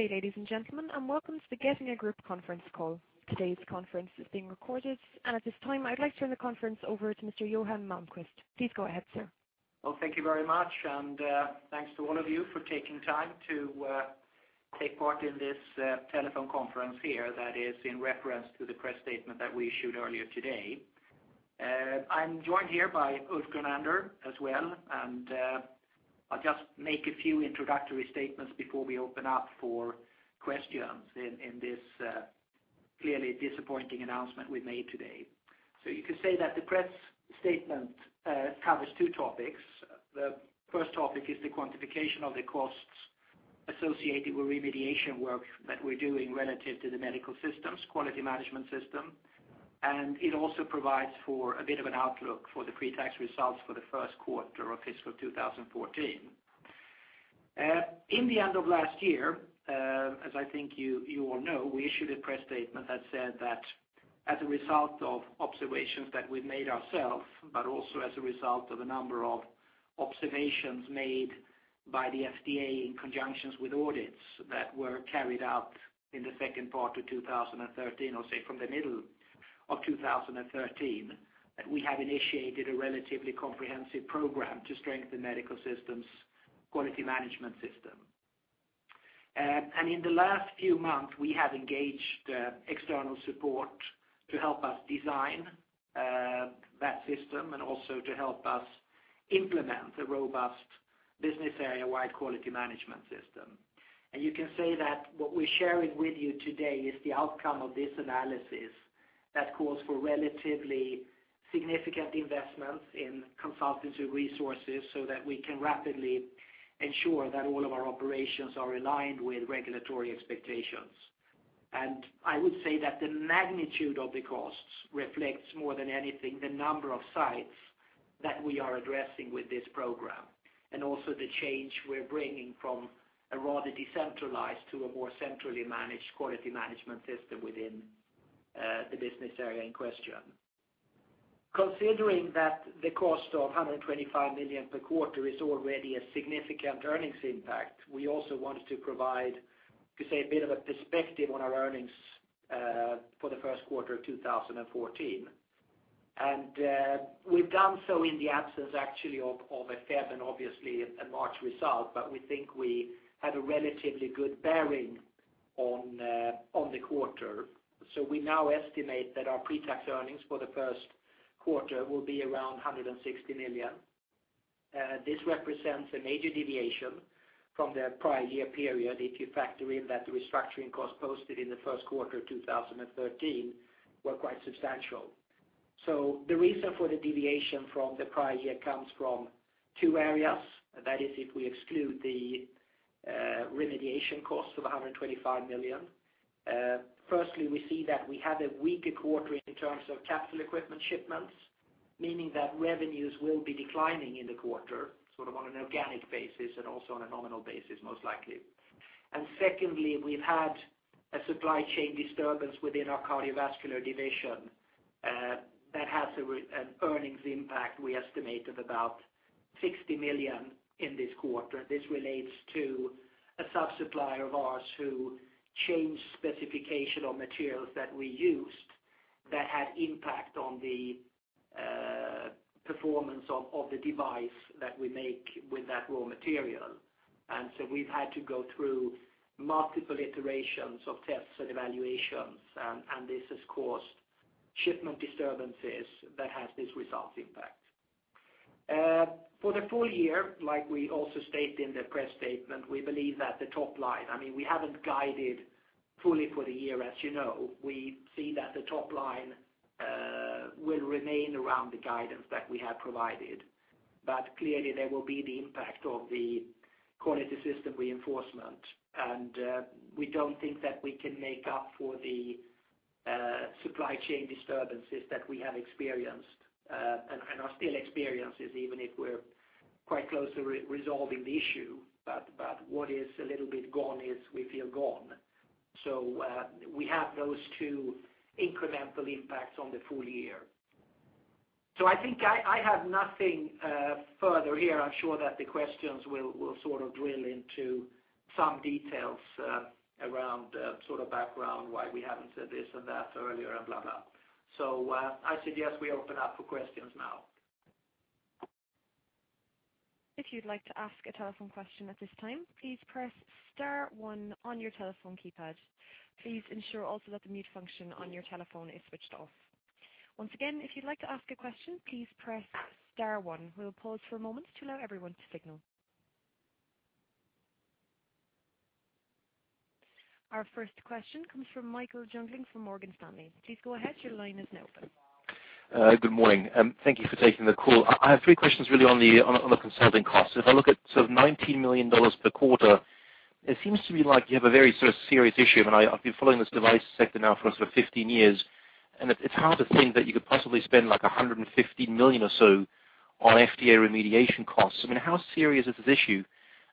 Good day, ladies and gentlemen, and welcome to the Getinge Group Conference Call. Today's conference is being recorded, and at this time, I'd like to turn the conference over to Mr. Johan Malmquist. Please go ahead, sir. Well, thank you very much, and thanks to all of you for taking time to take part in this telephone conference here that is in reference to the press statement that we issued earlier today. I'm joined here by Ulf Grunander as well, and I'll just make a few introductory statements before we open up for questions in this clearly disappointing announcement we made today. So you could say that the press statement covers two topics. The first topic is the quantification of the costs associated with remediation work that we're doing relative to the Medical Systems quality management system. And it also provides for a bit of an outlook for the pre-tax results for the Q1 of fiscal 2014. In the end of last year, as I think you, you all know, we issued a press statement that said that as a result of observations that we made ourselves, but also as a result of a number of observations made by the FDA in conjunction with audits that were carried out in the second part of 2013, or say, from the middle of 2013, that we have initiated a relatively comprehensive program to strengthen Medical Systems, quality management system. In the last few months, we have engaged external support to help us design that system and also to help us implement a robust business area-wide quality management system. And you can say that what we're sharing with you today is the outcome of this analysis that calls for relatively significant investments in consultancy resources so that we can rapidly ensure that all of our operations are aligned with regulatory expectations. And I would say that the magnitude of the costs reflects, more than anything, the number of sites that we are addressing with this program, and also the change we're bringing from a rather decentralized to a more centrally managed quality management system within the business area in question. Considering that the cost of 125 million per quarter is already a significant earnings impact, we also wanted to provide, to say, a bit of a perspective on our earnings for the Q1 of 2014. And, we've done so in the absence, actually, of a February and obviously a March result, but we think we have a relatively good bearing on the quarter. So we now estimate that our pre-tax earnings for the Q1 will be around 160 million. This represents a major deviation from the prior year period, if you factor in that the restructuring costs posted in the Q1 of 2013 were quite substantial. So the reason for the deviation from the prior year comes from two areas, that is, if we exclude the remediation costs of 125 million. Firstly, we see that we have a weaker quarter in terms of capital equipment shipments, meaning that revenues will be declining in the quarter, sort of on an organic basis and also on a nominal basis, most likely. And secondly, we've had a supply chain disturbance within our cardiovascular division, that has an earnings impact, we estimate, of about 60 million in this quarter. This relates to a sub-supplier of ours who changed specification on materials that we used that had impact on the performance of the device that we make with that raw material. And so we've had to go through multiple iterations of tests and evaluations, and this has caused shipment disturbances that has this result impact. For the full year, like we also stated in the press statement, we believe that the top line, I mean, we haven't guided fully for the year, as you know. We see that the top line will remain around the guidance that we have provided, but clearly, there will be the impact of the quality system reinforcement. And we don't think that we can make up for the supply chain disturbances that we have experienced, and are still experiences, even if we're quite close to re-resolving the issue. But what is a little bit gone is, we feel, gone. So we have those two incremental impacts on the full year. So I think I have nothing further here. I'm sure that the questions will sort of drill into some details around sort of background, why we haven't said this and that earlier, and blah, blah. So, I suggest we open up for questions now. If you'd like to ask a telephone question at this time, please press star one on your telephone keypad. Please ensure also that the mute function on your telephone is switched off. Once again, if you'd like to ask a question, please press star one. We'll pause for a moment to allow everyone to signal. Our first question comes from Michael Jungling from Morgan Stanley. Please go ahead, your line is now open. Good morning, and thank you for taking the call. I have three questions really on the consulting cost. If I look at sort of $19 million per quarter, it seems to me like you have a very sort of serious issue, and I've been following this device sector now for sort of 15 years, and it's hard to think that you could possibly spend, like, $150 million or so on FDA remediation costs. I mean, how serious is this issue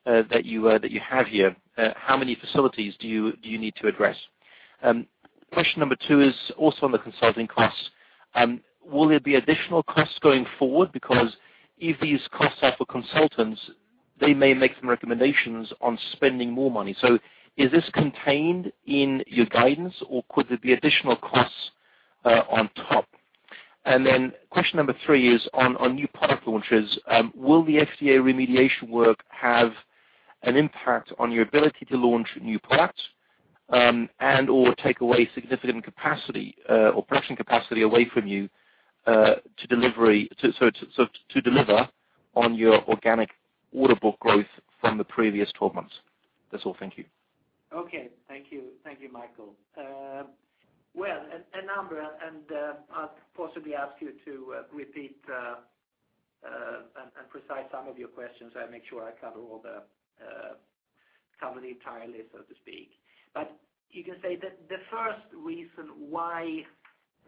that you have here? How many facilities do you need to address? Question number two is also on the consulting costs. Will there be additional costs going forward? Because if these costs are for consultants, they may make some recommendations on spending more money. So is this contained in your guidance, or could there be additional costs on top? And then question number three is on new product launches. Will the FDA remediation work have an impact on your ability to launch new products, and/or take away significant capacity, or production capacity away from you, to deliver on your organic order book growth from the previous twelve months? That's all. Thank you. Okay, thank you. Thank you, Michael. Well, and Amber, and, I'll possibly ask you to, repeat, and precise some of your questions, so I make sure I cover all the, cover the entire list, so to speak. But you can say that the first reason why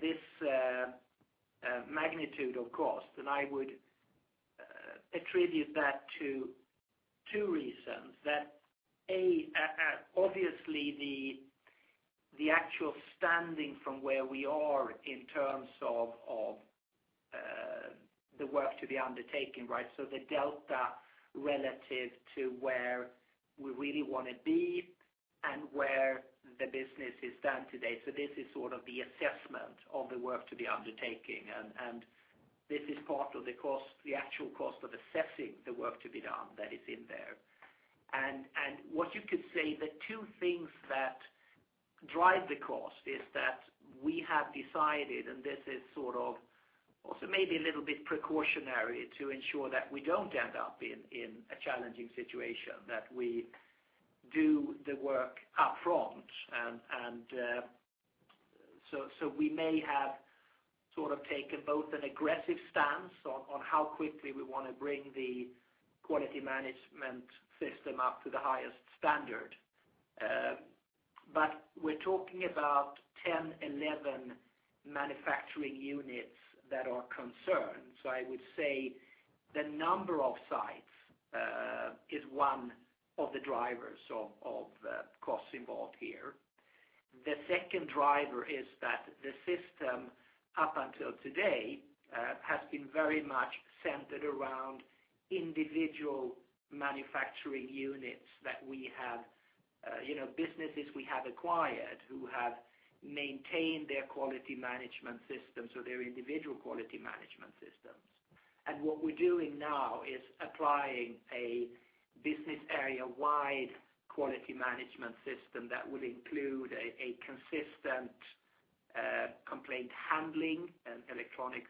this, magnitude of cost, and I would, attribute that to two reasons. That, A, obviously, the actual standing from where we are in terms of, of, the work to be undertaken, right? So the delta relative to where we really want to be and where the business is done today. So this is sort of the assessment of the work to be undertaking, and, and this is part of the cost, the actual cost of assessing the work to be done that is in there. What you could say, the two things that drive the cost is that we have decided, and this is sort of also maybe a little bit precautionary, to ensure that we don't end up in a challenging situation, that we do the work upfront. We may have sort of taken both an aggressive stance on how quickly we want to bring the quality management system up to the highest standard. But we're talking about 10, 11 manufacturing units that are concerned. So I would say the number of sites is one of the drivers of costs involved here. The second driver is that the system, up until today, has been very much centered around individual manufacturing units that we have, you know, businesses we have acquired who have maintained their quality management system, so their individual quality management systems. What we're doing now is applying a business area-wide quality management system that will include a consistent complaint handling and electronics,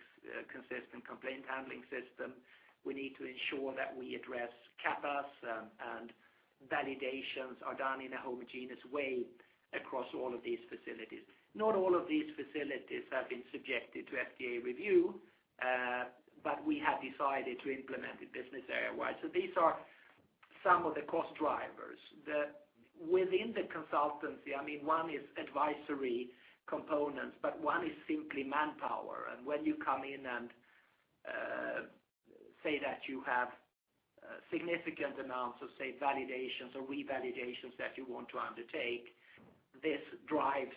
consistent complaint handling system. We need to ensure that we address CAPAs, and validations are done in a homogeneous way across all of these facilities. Not all of these facilities have been subjected to FDA review, but we have decided to implement it business area-wide. So these are some of the cost drivers. Within the consultancy, I mean, one is advisory components, but one is simply manpower. When you come in and say that you have significant amounts of, say, validations or revalidations that you want to undertake, this drives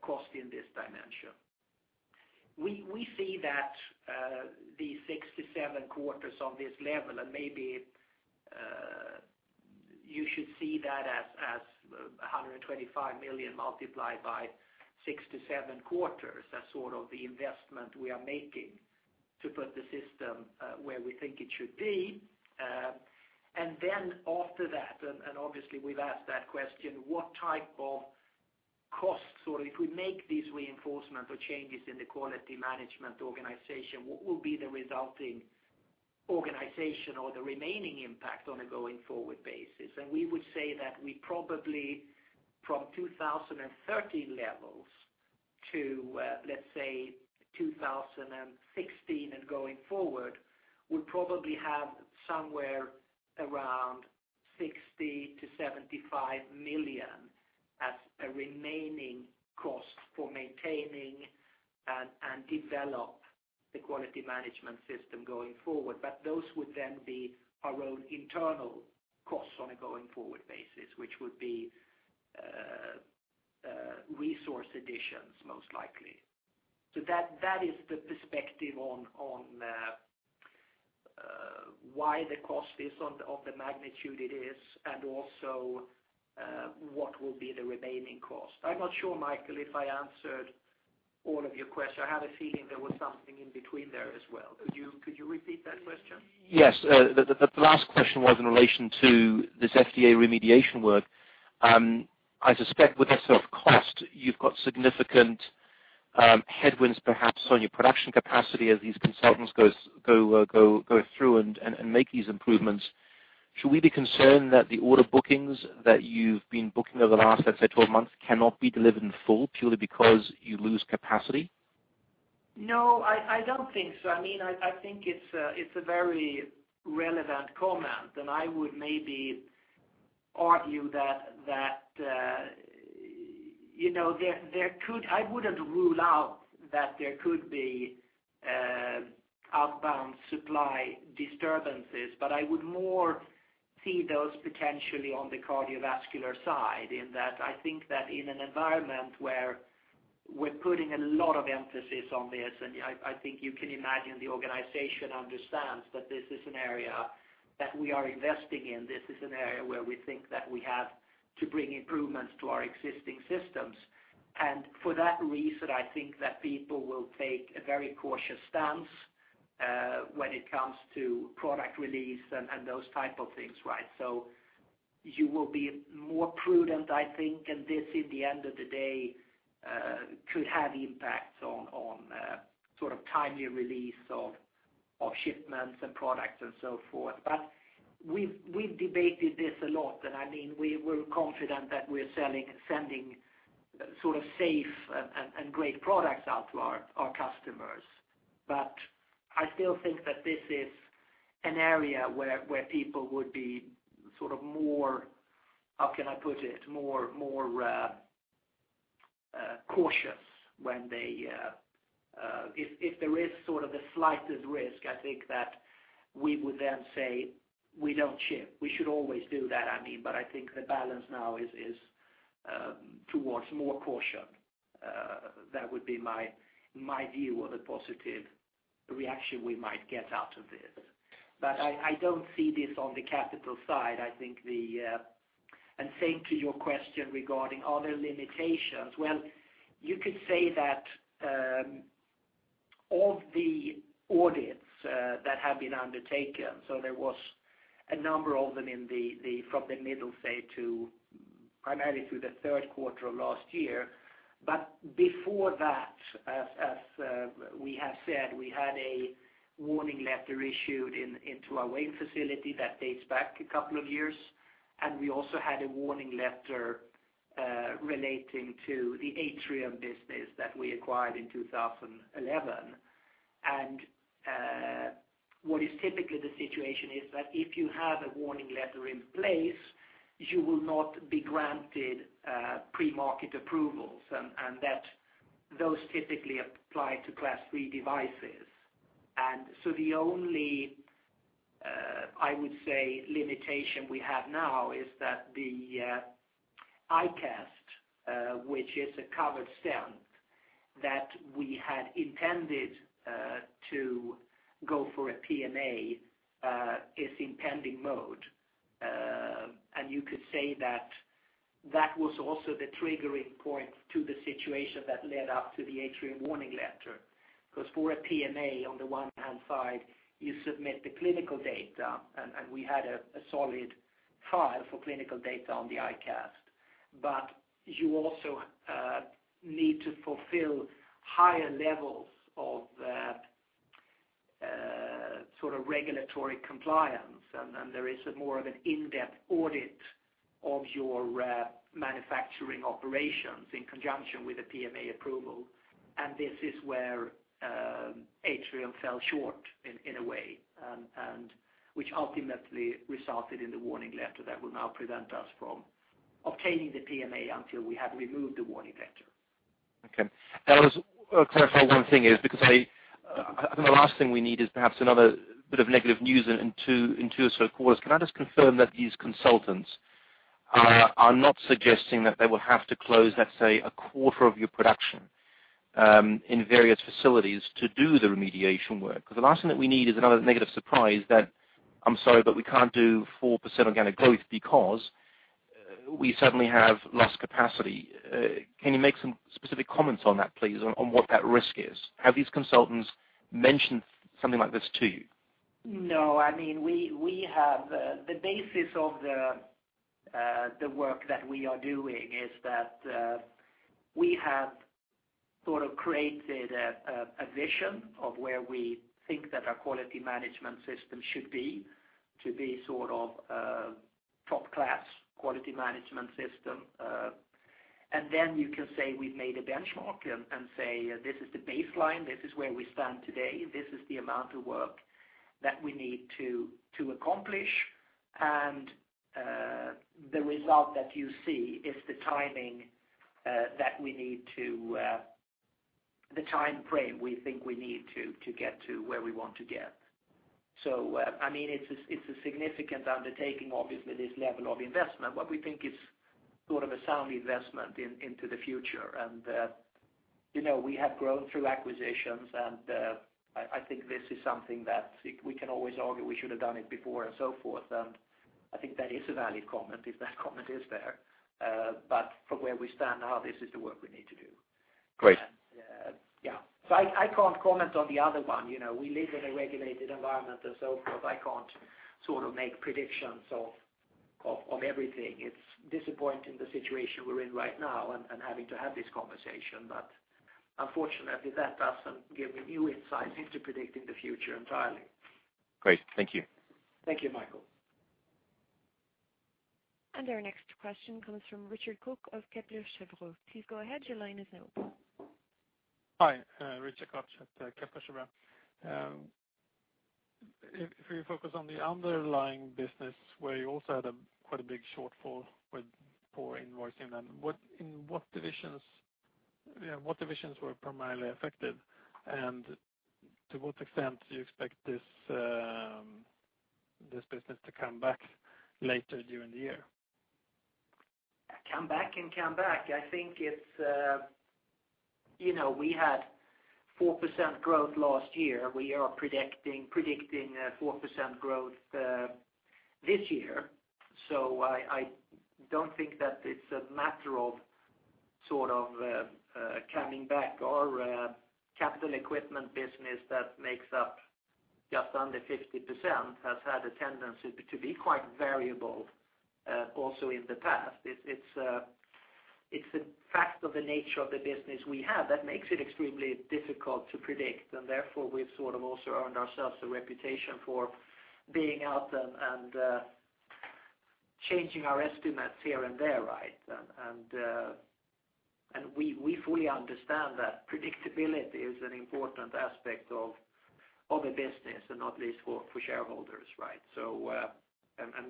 cost in this dimension. We see that the 6-7 quarters on this level, and maybe you should see that as 125 million multiplied by 6-7 quarters, as sort of the investment we are making to put the system where we think it should be. Then after that, and obviously, we've asked that question, what type of costs, or if we make these reinforcement or changes in the quality management organization, what will be the resulting organization or the remaining impact on a going-forward basis? We would say that we probably, from 2013 levels to, let's say, 2016 and going forward, we probably have somewhere around 60-75 million as a remaining cost for maintaining and develop the quality management system going forward. But those would then be our own internal costs on a going-forward basis, which would be resource additions, most likely. So that is the perspective on why the cost is of the magnitude it is, and also what will be the remaining cost. I'm not sure, Michael, if I answered all of your questions. I had a feeling there was something in between there as well. Could you repeat that question? Yes. The last question was in relation to this FDA remediation work. I suspect with that sort of cost, you've got significant headwinds, perhaps on your production capacity as these consultants go through and make these improvements. Should we be concerned that the order bookings that you've been booking over the last, let's say, 12 months, cannot be delivered in full, purely because you lose capacity? No, I don't think so. I mean, I think it's a very relevant comment, and I would maybe argue that you know, I wouldn't rule out that there could be outbound supply disturbances, but I would more see those potentially on the cardiovascular side in that I think that in an environment where we're putting a lot of emphasis on this, and I think you can imagine the organization understands that this is an area that we are investing in. This is an area where we think that we have to bring improvements to our existing systems. And for that reason, I think that people will take a very cautious stance when it comes to product release and those type of things, right? So you will be more prudent, I think, and this, in the end of the day, could have impacts on sort of timelier release of shipments and products and so forth. But we've debated this a lot, and, I mean, we're confident that we're selling and sending sort of safe and great products out to our customers. But I still think that this is an area where people would be sort of more, how can I put it? More cautious when they if there is sort of the slightest risk, I think that we would then say, we don't ship. We should always do that, I mean, but I think the balance now is towards more caution. That would be my view of the positive reaction we might get out of this. But I don't see this on the capital side. I think. And same to your question regarding are there limitations, well, you could say that of the audits that have been undertaken, so there was a number of them from the middle, say, to primarily through the Q3 of last year. But before that, as we have said, we had a warning letter issued into our Wayne facility that dates back a couple of years, and we also had a warning letter relating to the Atrium business that we acquired in 2011. What is typically the situation is that if you have a warning letter in place, you will not be granted pre-market approvals, and, and that those typically apply to Class III devices. And so the only, I would say, limitation we have now is that the iCast, which is a covered stent, that we had intended to go for a PMA, is in pending mode. And you could say that that was also the triggering point to the situation that led up to the Atrium warning letter. Because for a PMA, on the one hand side, you submit the clinical data, and, and we had a, a solid file for clinical data on the iCast. But you also need to fulfill higher levels of sort of regulatory compliance, and there is more of an in-depth audit of your manufacturing operations in conjunction with a PMA approval. And this is where Atrium fell short in a way, and which ultimately resulted in the Warning Letter that will now prevent us from obtaining the PMA until we have removed the Warning Letter. Okay. Clarify one thing is, because I... and the last thing we need is perhaps another bit of negative news in 2, in 2 or so quarters. Can I just confirm that these consultants are, are not suggesting that they will have to close, let's say, a quarter of your production, in various facilities to do the remediation work? Because the last thing that we need is another negative surprise that, I'm sorry, but we can't do 4% organic growth because, we suddenly have less capacity. Can you make some specific comments on that, please, on, on what that risk is? Have these consultants mentioned something like this to you? No, I mean, we have the basis of the work that we are doing is that we have sort of created a vision of where we think that our quality management system should be, to be sort of a top-class quality management system. And then you can say we've made a benchmark and say, this is the baseline, this is where we stand today, this is the amount of work that we need to accomplish. And the result that you see is the timing that we need, the time frame we think we need to get to where we want to get. So, I mean, it's a significant undertaking, obviously, this level of investment, but we think it's sort of a sound investment into the future. And, you know, we have grown through acquisitions, and, I think this is something that we can always argue we should have done it before and so forth. And I think that is a valid comment, if that comment is fair. But from where we stand now, this is the work we need to do. Great. Yeah. So I can't comment on the other one. You know, we live in a regulated environment and so forth. I can't sort of make predictions of everything. It's disappointing, the situation we're in right now and having to have this conversation, but unfortunately, that doesn't give me new insights into predicting the future entirely. Great. Thank you. Thank you, Michael. Our next question comes from Richard Koch of Kepler Cheuvreux. Please go ahead, your line is open. Hi, Richard Koch at Kepler Cheuvreux. If we focus on the underlying business, where you also had quite a big shortfall with poor invoicing, then in what divisions were primarily affected? And to what extent do you expect this business to come back later during the year? Come back and come back. I think it's, you know, we had 4% growth last year. We are predicting 4% growth this year. So I don't think that it's a matter of sort of coming back. Our capital equipment business that makes up just under 50%, has had a tendency to be quite variable also in the past. It's a fact of the nature of the business we have that makes it extremely difficult to predict, and therefore, we've sort of also earned ourselves a reputation for being out and changing our estimates here and there, right? And we fully understand that predictability is an important aspect of a business, and not least for shareholders, right? So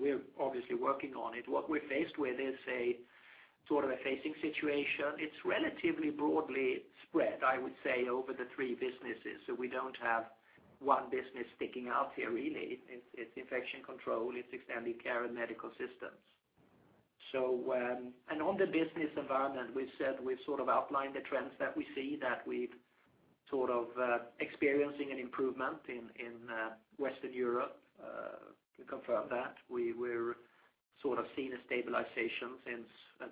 we're obviously working on it. What we're faced with is a sort of a facing situation. It's relatively broadly spread, I would say, over the three businesses, so we don't have one business sticking out here really. It's Infection Control, it's Extended Care and Medical Systems. So, and on the business environment, we've said we've sort of outlined the trends that we see, that we've sort of experiencing an improvement in Western Europe, to confirm that. We're sort of seeing a stabilization since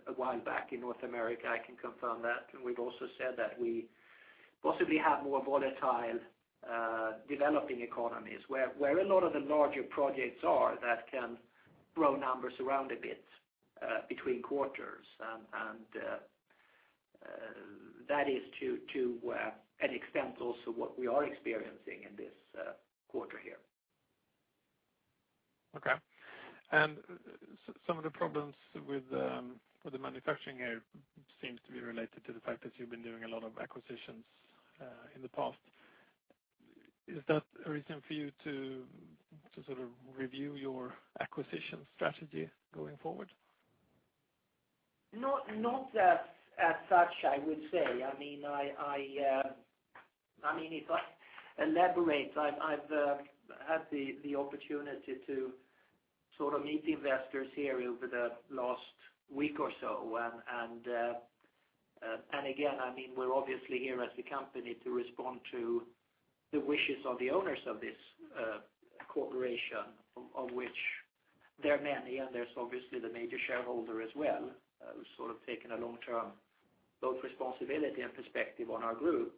a while back in North America, I can confirm that. And we've also said that we possibly have more volatile developing economies, where a lot of the larger projects are, that can grow numbers around a bit between quarters. And that is to an extent also what we are experiencing in this quarter here. Okay. And some of the problems with the manufacturing here seems to be related to the fact that you've been doing a lot of acquisitions in the past. Is that a reason for you to sort of review your acquisition strategy going forward? Not as such, I would say. I mean, I mean, if I elaborate, I've had the opportunity to sort of meet investors here over the last week or so. And again, I mean, we're obviously here as a company to respond to the wishes of the owners of this corporation, of which there are many, and there's obviously the major shareholder as well, who's sort of taken a long-term, both responsibility and perspective on our group.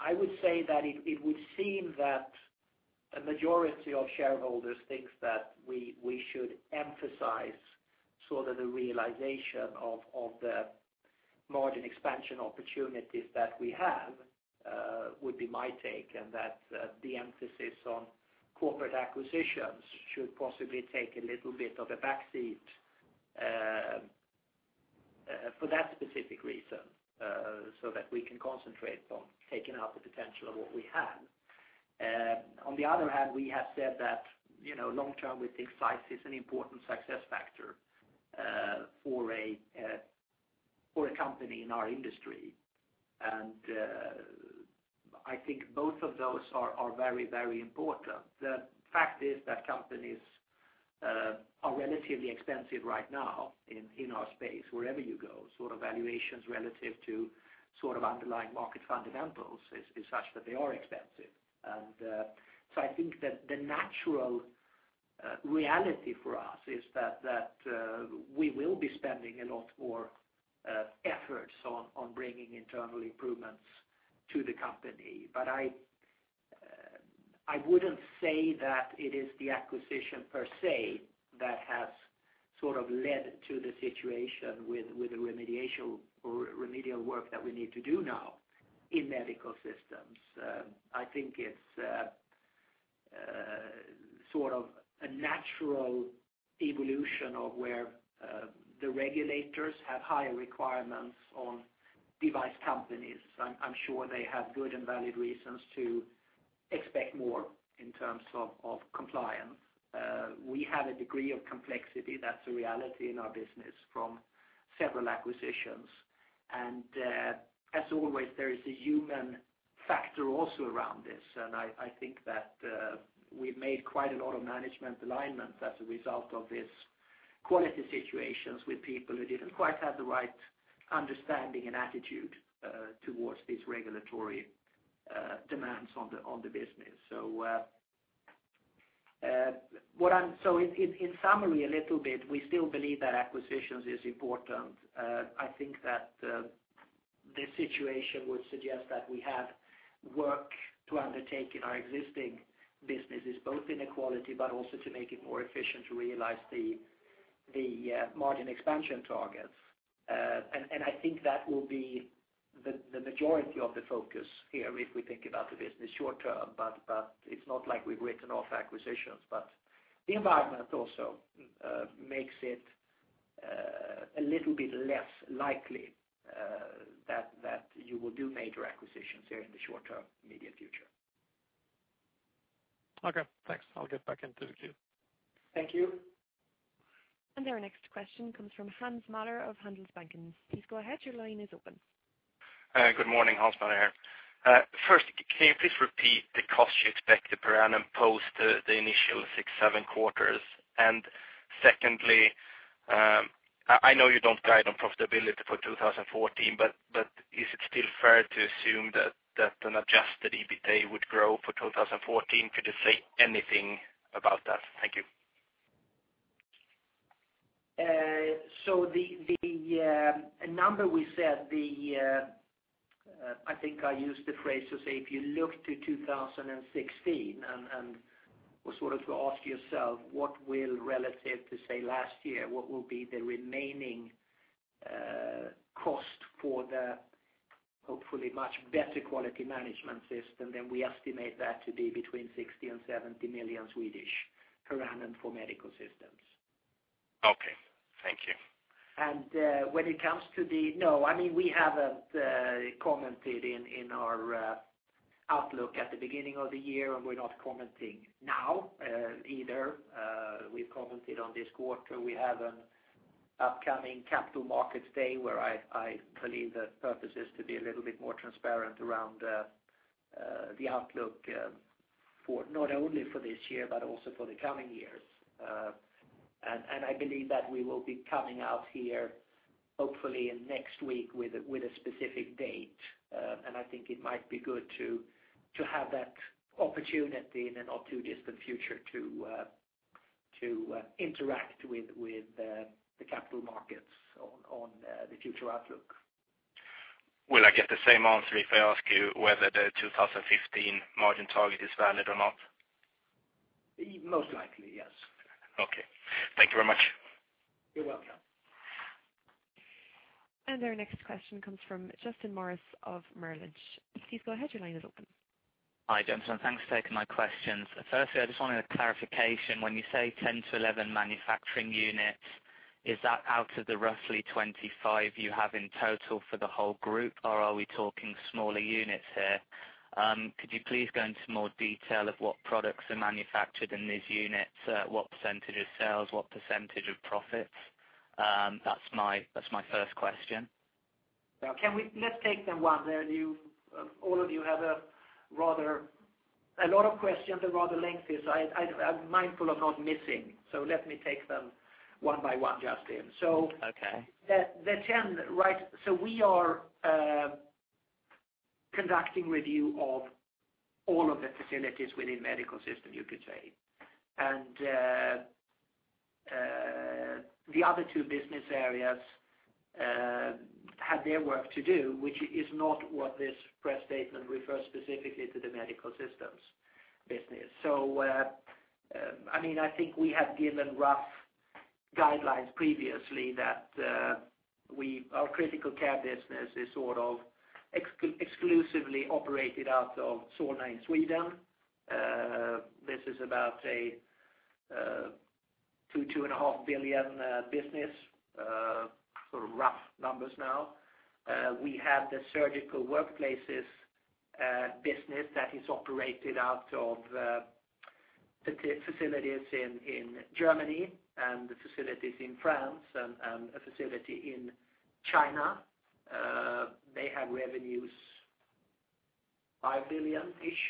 I would say that it would seem that a majority of shareholders thinks that we should emphasize sort of the realization of the margin expansion opportunities that we have, would be my take, and that the emphasis on corporate acquisitions should possibly take a little bit of a backseat for that specific reason, so that we can concentrate on taking out the potential of what we have. On the other hand, we have said that, you know, long term, we think size is an important success factor for a company in our industry. And I think both of those are very, very important. The fact is that companies are relatively expensive right now in our space, wherever you go, sort of valuations relative to sort of underlying market fundamentals is such that they are expensive. So I think that the natural reality for us is that we will be spending a lot more efforts on bringing internal improvements to the company. But I wouldn't say that it is the acquisition per se that has sort of led to the situation with the remediation or remedial work that we need to do now in medical systems. I think it's sort of a natural evolution of where the regulators have higher requirements on device companies. I'm sure they have good and valid reasons to expect more in terms of compliance. We have a degree of complexity, that's a reality in our business, from several acquisitions. And, as always, there is a human factor also around this, and I think that, we've made quite a lot of management alignment as a result of this quality situations with people who didn't quite have the right understanding and attitude, towards these regulatory, demands on the business. So, in summary, a little bit, we still believe that acquisitions is important. I think that, the situation would suggest that we have work to undertake in our existing businesses, both in quality, but also to make it more efficient to realize the margin expansion targets. And I think that will be the majority of the focus here, if we think about the business short term, but it's not like we've written off acquisitions. But the environment also makes it a little bit less likely that you will do major acquisitions here in the short term, immediate future. Okay, thanks. I'll get back into the queue. Thank you. Our next question comes from Hans Mähler of Handelsbanken. Please go ahead, your line is open. Good morning, Hans Mähler here. First, can you please repeat the cost you expect per annum post the initial six, seven quarters? And secondly, I know you don't guide on profitability for 2014, but is it still fair to assume that an adjusted EBITA would grow for 2014? Could you say anything about that? Thank you. So the number we said, I think I used the phrase to say, if you look to 2016, and well, sort of to ask yourself, what will, relative to, say, last year, what will be the remaining cost for the hopefully much better quality management system, then we estimate that to be between 60 million and 70 million per annum for medical systems. Okay. Thank you. When it comes to, I mean, we haven't commented in our outlook at the beginning of the year, and we're not commenting now, either. We've commented on this quarter. We have an upcoming Capital Markets Day, where I believe the purpose is to be a little bit more transparent around the outlook for not only this year, but also for the coming years. And I believe that we will be coming out here, hopefully in next week, with a specific date. And I think it might be good to have that opportunity in the not too distant future to interact with the capital markets on the future outlook. Will I get the same answer if I ask you whether the 2015 margin target is valid or not? Most likely, yes. Okay. Thank you very much. You're welcome. Our next question comes from Justin Morris of Merrill Lynch. Please go ahead, your line is open. Hi, gentlemen, thanks for taking my questions. Firstly, I just wanted a clarification. When you say 10-11 manufacturing units, is that out of the roughly 25 you have in total for the whole group, or are we talking smaller units here? Could you please go into more detail of what products are manufactured in these units, what percentage of sales, what percentage of profits? That's my, that's my first question. Now, let's take them one there. You, all of you have a rather, a lot of questions and rather lengthy, so I, I'm mindful of not missing. So let me take them one by one, Justin. Okay. So we are conducting review of all of the facilities within Medical Systems, you could say. The other two business areas have their work to do, which is not what this press statement refers specifically to the Medical Systems business. I mean, I think we have given rough guidelines previously that our Critical Care business is sort of exclusively operated out of Solna in Sweden. This is about a 2 billion-2.5 billion business, sort of rough numbers now. We have the Surgical Workplaces business that is operated out of facilities in Germany, and the facilities in France, and a facility in China. They have revenues, 5 billion-ish,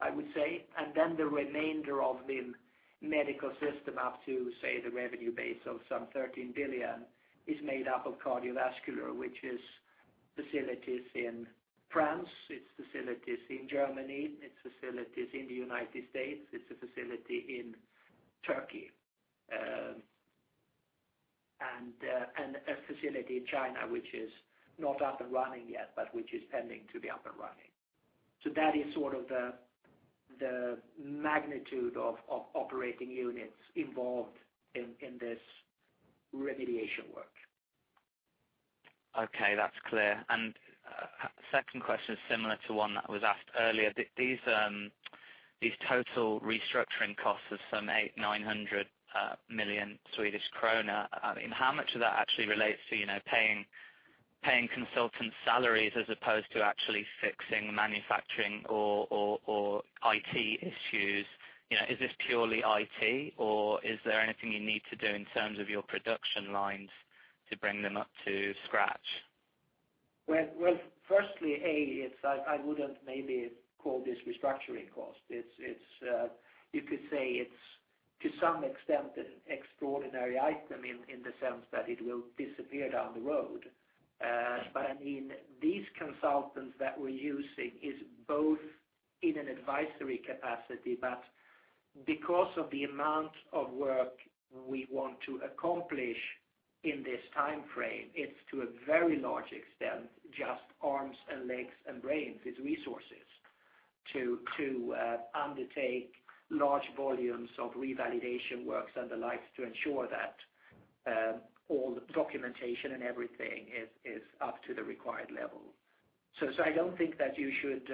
I would say. Then the remainder of the medical systems, up to, say, the revenue base of some 13 billion, is made up of Cardiovascular, which is facilities in France, its facilities in Germany, its facilities in the United States, its a facility in Turkey, and a facility in China, which is not up and running yet, but which is pending to be up and running. So that is sort of the magnitude of operating units involved in this remediation work. Okay, that's clear. Second question is similar to one that was asked earlier. These, these total restructuring costs of some 800 million-900 million Swedish kronor, I mean, how much of that actually relates to, you know, paying, paying consultants' salaries as opposed to actually fixing, manufacturing or, or, or IT issues? You know, is this purely IT, or is there anything you need to do in terms of your production lines to bring them up to scratch? Well, well, firstly, A, it's like I wouldn't maybe call this restructuring cost. It's you could say it's to some extent an extraordinary item in the sense that it will disappear down the road. But I mean, these consultants that we're using is both in an advisory capacity, but because of the amount of work we want to accomplish in this time frame, it's to a very large extent just arms and legs and brains, it's resources, to undertake large volumes of revalidation works and the like, to ensure that all the documentation and everything is up to the required level. So I don't think that you should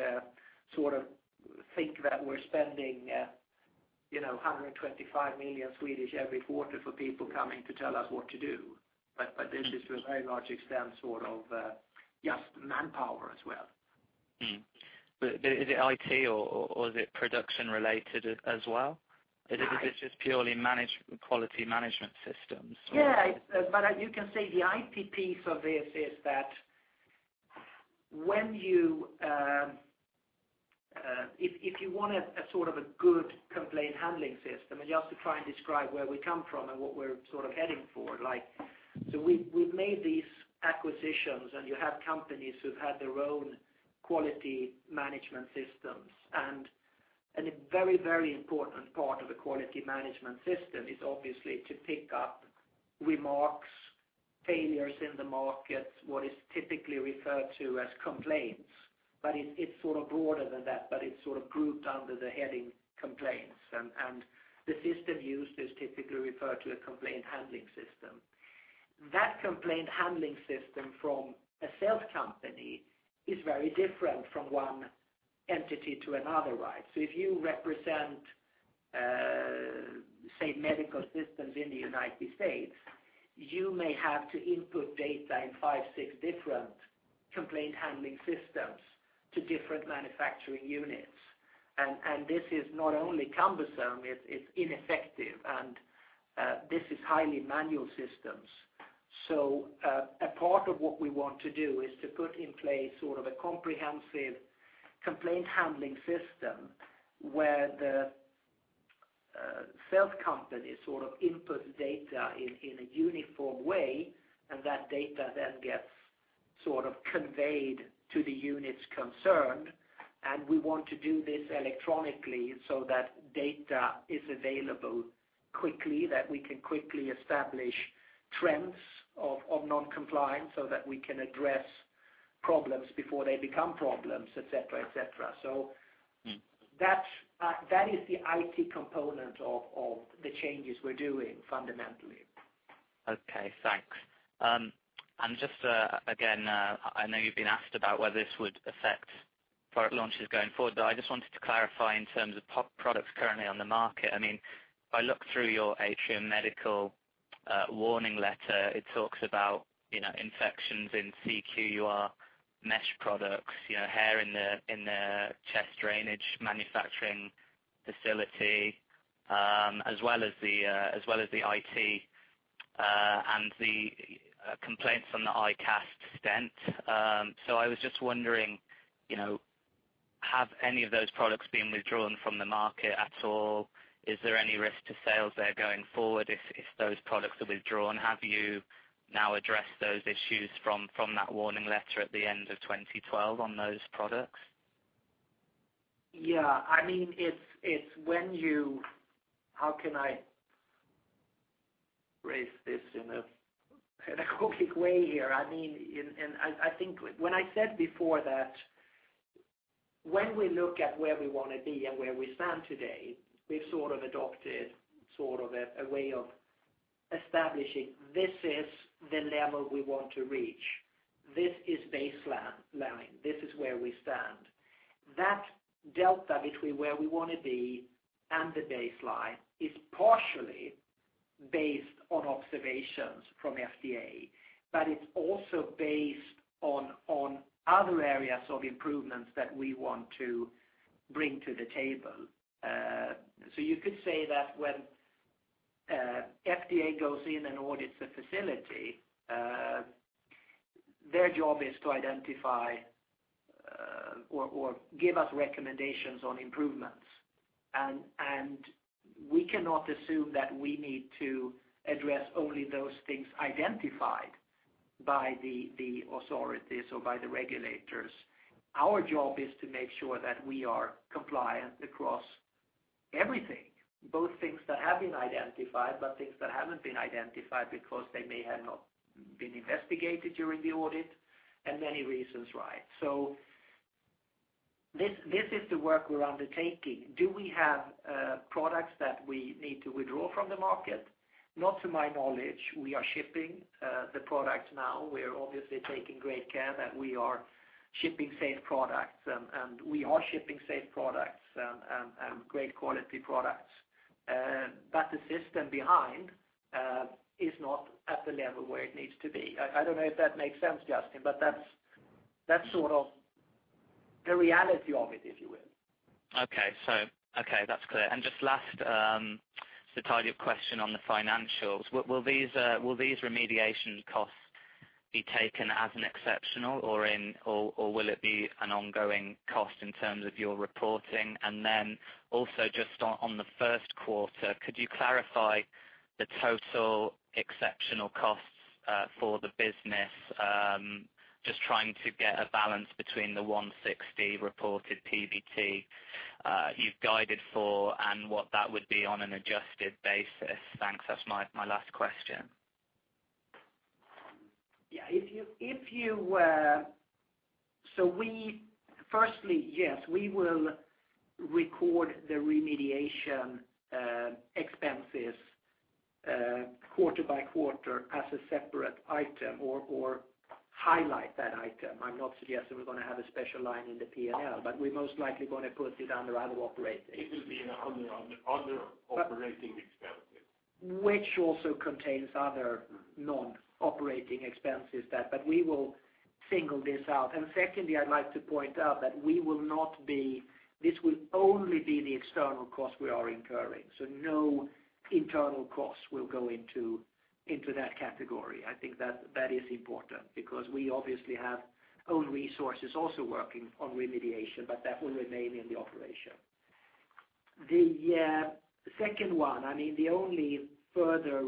sort of think that we're spending you know, 125 million every quarter for people coming to tell us what to do. But this is to a very large extent, sort of, just manpower as well. But is it IT or is it production related as well? I- Or this is just purely quality management systems? Yeah, but as you can see, the IT piece of this is that when you, if you want a sort of a good complaint handling system, and just to try and describe where we come from and what we're sort of heading for, like, so we've made these acquisitions, and you have companies who've had their own quality management systems. And a very, very important part of the quality management system is obviously to pick up remarks, failures in the markets, what is typically referred to as complaints. But it's sort of broader than that, but it's sort of grouped under the heading complaints, and the system used is typically referred to as a complaint handling system. That complaint handling system from a sales company is very different from one entity to another, right? So if you represent, say, medical systems in the United States, you may have to input data in 5, 6 different complaint handling systems to different manufacturing units. And this is not only cumbersome, it's ineffective, and this is highly manual systems. So a part of what we want to do is to put in place sort of a comprehensive complaint handling system, where the sales company sort of input data in a uniform way, and that data then gets sort of conveyed to the units concerned. And we want to do this electronically so that data is available quickly, that we can quickly establish trends of non-compliance, so that we can address problems before they become problems, et cetera, et cetera. Mm. So that is the IT component of the changes we're doing fundamentally. Okay, thanks. And just again, I know you've been asked about whether this would affect product launches going forward, but I just wanted to clarify in terms of products currently on the market. I mean, if I look through your Atrium Medical warning letter, it talks about, you know, infections in C-QUR mesh products, you know, hair in the chest drainage manufacturing facility, as well as the IT and the complaints from the iCast stent. So I was just wondering, you know, have any of those products been withdrawn from the market at all? Is there any risk to sales there going forward if those products are withdrawn? Have you now addressed those issues from that warning letter at the end of 2012 on those products? Yeah. I mean, it's when you, how can I phrase this in a quick way here? I mean, I think when I said before that, when we look at where we want to be and where we stand today, we've sort of adopted a way of establishing this is the level we want to reach. This is baseline, this is where we stand. That delta between where we want to be and the baseline is partially based on observations from FDA, but it's also based on other areas of improvements that we want to bring to the table. So you could say that when FDA goes in and audits a facility, their job is to identify or give us recommendations on improvements. We cannot assume that we need to address only those things identified by the authorities or by the regulators. Our job is to make sure that we are compliant across everything, both things that have been identified, but things that haven't been identified because they may have not been investigated during the audit, and many reasons, right? So this is the work we're undertaking. Do we have products that we need to withdraw from the market? Not to my knowledge. We are shipping the product now. We are obviously taking great care that we are shipping safe products, and we are shipping safe products and great quality products. But the system behind is not at the level where it needs to be. I don't know if that makes sense, Justin, but that's sort of the reality of it, if you will. Okay, that's clear. Just last, to tidy up question on the financials. Will these remediation costs be taken as an exceptional or will it be an ongoing cost in terms of your reporting? Also, just on the Q1, could you clarify the total exceptional costs for the business? Just trying to get a balance between the 160 reported PBT you’ve guided for, and what that would be on an adjusted basis. Thanks. That's my last question. Yeah. If you, if you, so we firstly, yes, we will record the remediation expenses quarter by quarter as a separate item or, or highlight that item. I'm not suggesting we're going to have a special line in the P&L, but we're most likely going to put it under other operating. It will be under other operating expenses. Which also contains other non-operating expenses that, but we will single this out. Secondly, I'd like to point out that we will not be—this will only be the external costs we are incurring, so no internal costs will go into that category. I think that is important because we obviously have own resources also working on remediation, but that will remain in the operation. The second one, I mean, the only further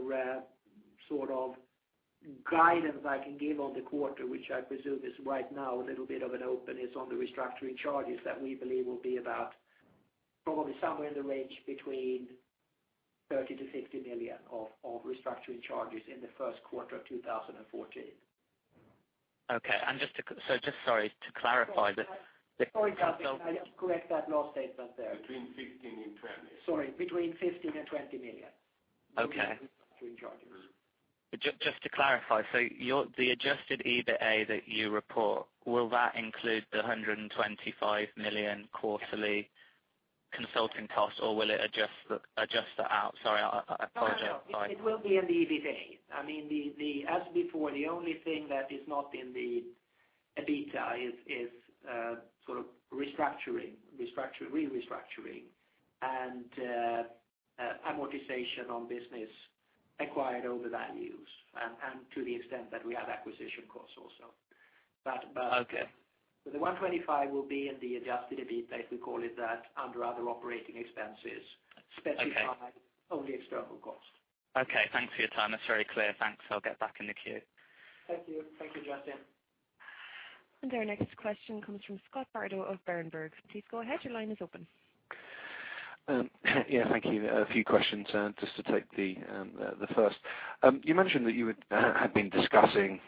sort of guidance I can give on the quarter, which I presume is right now a little bit of an open, is on the restructuring charges that we believe will be about probably somewhere in the range between 30 million-50 million of restructuring charges in the Q1 of 2014. Okay. And just, sorry, to clarify the- Sorry, Justin, I have to correct that last statement there. Between 15 and 20. Sorry, between 15 million and 20 million- Okay -restructuring charges. Just to clarify, so the adjusted EBITA that you report, will that include the 125 million quarterly consulting costs, or will it adjust that out? Sorry, I apologize. No, no, it will be in the EBITA. I mean, as before, the only thing that is not in the EBITA is sort of restructuring and amortization on business acquired over values, and to the extent that we have acquisition costs also. But, Okay. The 125 will be in the adjusted EBITA, if we call it that, under other operating expenses- Okay... specifically marked only external costs. Okay, thanks for your time. That's very clear. Thanks. I'll get back in the queue. Thank you. Thank you, Justin. Our next question comes from Scott Bardo of Berenberg. Please go ahead. Your line is open. Yeah, thank you. A few questions. Just to take the, the first. You mentioned that you would had been discussing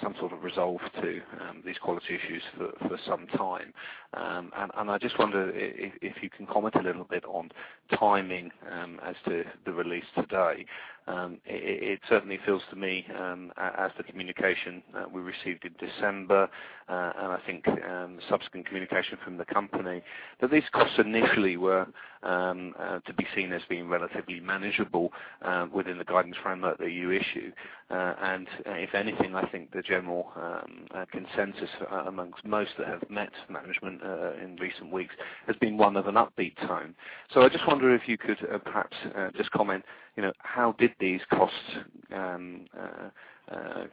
some sort of resolve to these quality issues for some time. And I just wonder if you can comment a little bit on timing as to the release today. It certainly feels to me as the communication we received in December and I think subsequent communication from the company, that these costs initially were to be seen as being relatively manageable within the guidance framework that you issued. And if anything, I think the general consensus amongst most that have met management in recent weeks has been one of an upbeat tone. So I just wonder if you could, perhaps, just comment, you know, how did these costs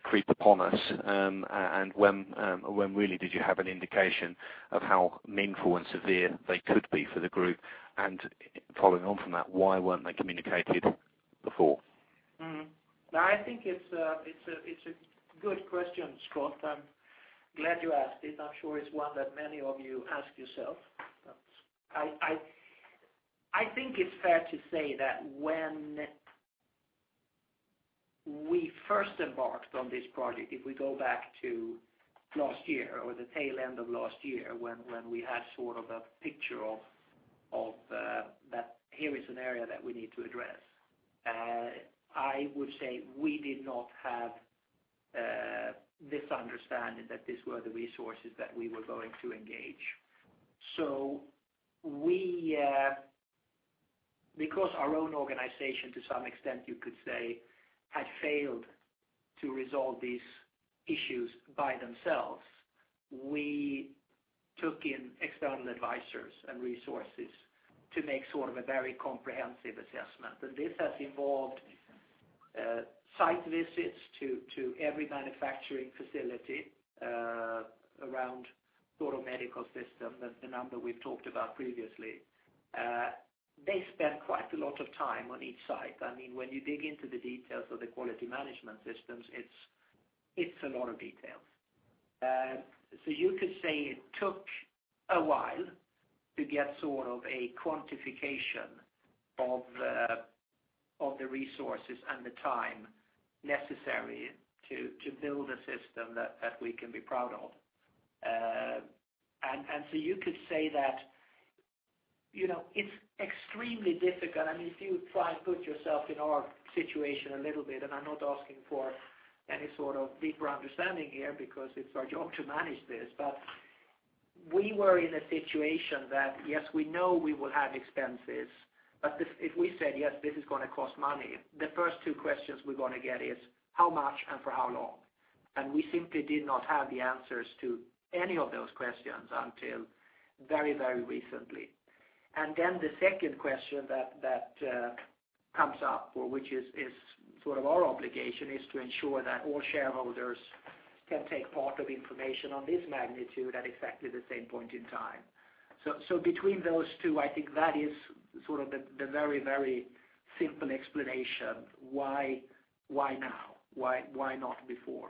creep upon us? And when really did you have an indication of how meaningful and severe they could be for the group? And following on from that, why weren't they communicated before? Mm-hmm. I think it's a good question, Scott. I'm glad you asked it. I'm sure it's one that many of you ask yourself. I think it's fair to say that when we first embarked on this project, if we go back to last year or the tail end of last year, when we had sort of a picture of that here is an area that we need to address, I would say we did not have this understanding that these were the resources that we were going to engage. So we, because our own organization, to some extent, you could say, had failed to resolve these issues by themselves, we took in external advisors and resources to make sort of a very comprehensive assessment. And this has involved site visits to every manufacturing facility around sort of medical system, the number we've talked about previously. They spent quite a lot of time on each site. I mean, when you dig into the details of the quality management systems, it's a lot of details. So you could say it took a while to get sort of a quantification of the resources and the time necessary to build a system that we can be proud of. And so you could say that, you know, it's extremely difficult. I mean, if you try and put yourself in our situation a little bit, and I'm not asking for any sort of deeper understanding here, because it's our job to manage this, but we were in a situation that, yes, we know we will have expenses, but if, if we said, yes, this is going to cost money, the first two questions we're going to get is how much and for how long? And we simply did not have the answers to any of those questions until very, very recently. And then the second question that, that, comes up, which is, is sort of our obligation, is to ensure that all shareholders can take part of information on this magnitude at exactly the same point in time. So, so between those two, I think that is sort of the, the very, very simple explanation why, why now? Why, why not before?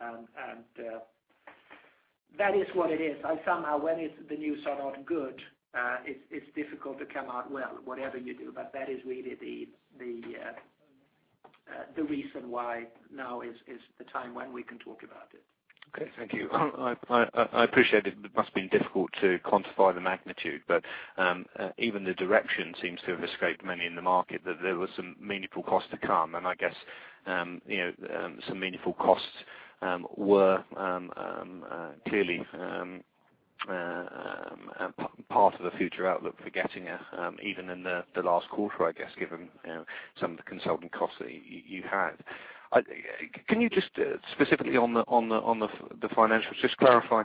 And that is what it is. And somehow, when it's the news are not good, it's difficult to come out well, whatever you do, but that is really the reason why now is the time when we can talk about it. Okay, thank you. I appreciate it must have been difficult to quantify the magnitude, but even the direction seems to have escaped many in the market, that there was some meaningful cost to come. And I guess, you know, some meaningful costs were clearly part of the future outlook for Getinge, even in the last quarter, I guess, given, you know, some of the consulting costs that you had. Can you just specifically on the financials, just clarify,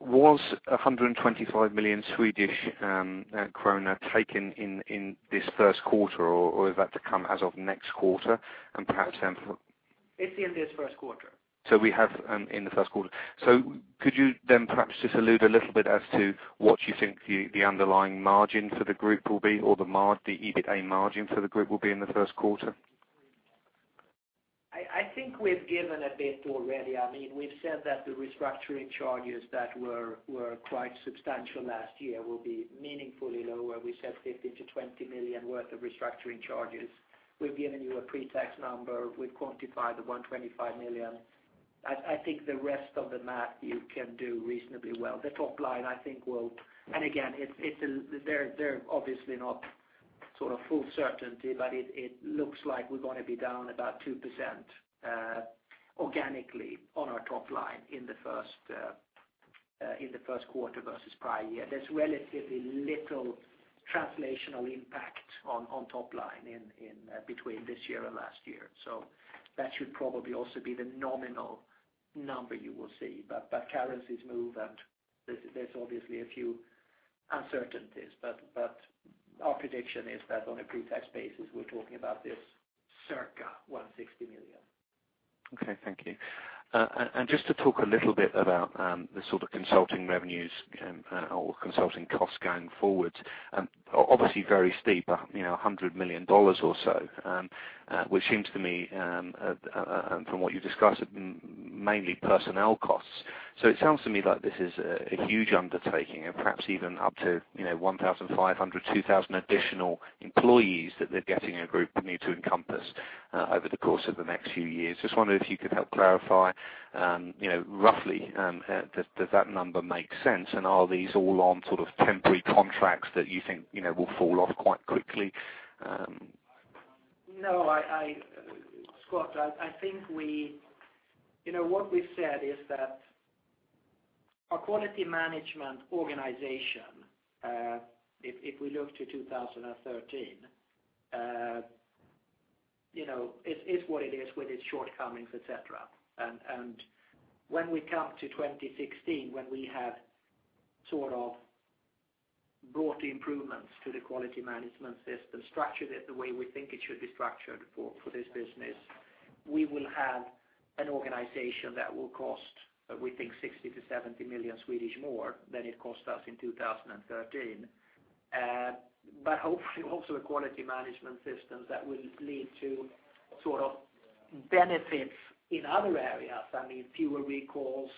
was 125 million Swedish krona taken in this Q1, or is that to come as of next quarter? And perhaps then- It's in this Q1. So we have in the Q1. So could you then perhaps just allude a little bit as to what you think the underlying margin for the group will be, or the EBITA margin for the group will be in the Q1? I think we've given a bit already. I mean, we've said that the restructuring charges that were quite substantial last year will be meaningfully lower. We said 15-20 million worth of restructuring charges. We've given you a pre-tax number, we've quantified the 125 million. I think the rest of the math you can do reasonably well. The top line, I think, will. And again, it's, they're obviously not sort of full certainty, but it looks like we're gonna be down about 2%, organically on our top line in the Q1 versus prior year. There's relatively little translational impact on top line in between this year and last year. So that should probably also be the nominal number you will see. But currencies move, and there's obviously a few uncertainties. But our prediction is that on a pre-tax basis, we're talking about this circa 160 million. Okay, thank you. And just to talk a little bit about the sort of consulting revenues or consulting costs going forward, and obviously very steep, you know, $100 million or so, which seems to me from what you've discussed, mainly personnel costs. So it sounds to me like this is a huge undertaking and perhaps even up to, you know, 1,500-2,000 additional employees that the Getinge Group need to encompass over the course of the next few years. Just wondering if you could help clarify, you know, roughly, does that number make sense? And are these all on sort of temporary contracts that you think, you know, will fall off quite quickly? No, Scott, I think we—you know, what we said is that our quality management organization, if we look to 2013, you know, it's what it is with its shortcomings, et cetera. And when we come to 2016, when we have sort of brought improvements to the quality management system, structured it the way we think it should be structured for this business, we will have an organization that will cost, we think, 60 million-70 million more than it cost us in 2013. But hopefully, also a quality management system that will lead to sort of benefits in other areas, I mean, fewer recalls.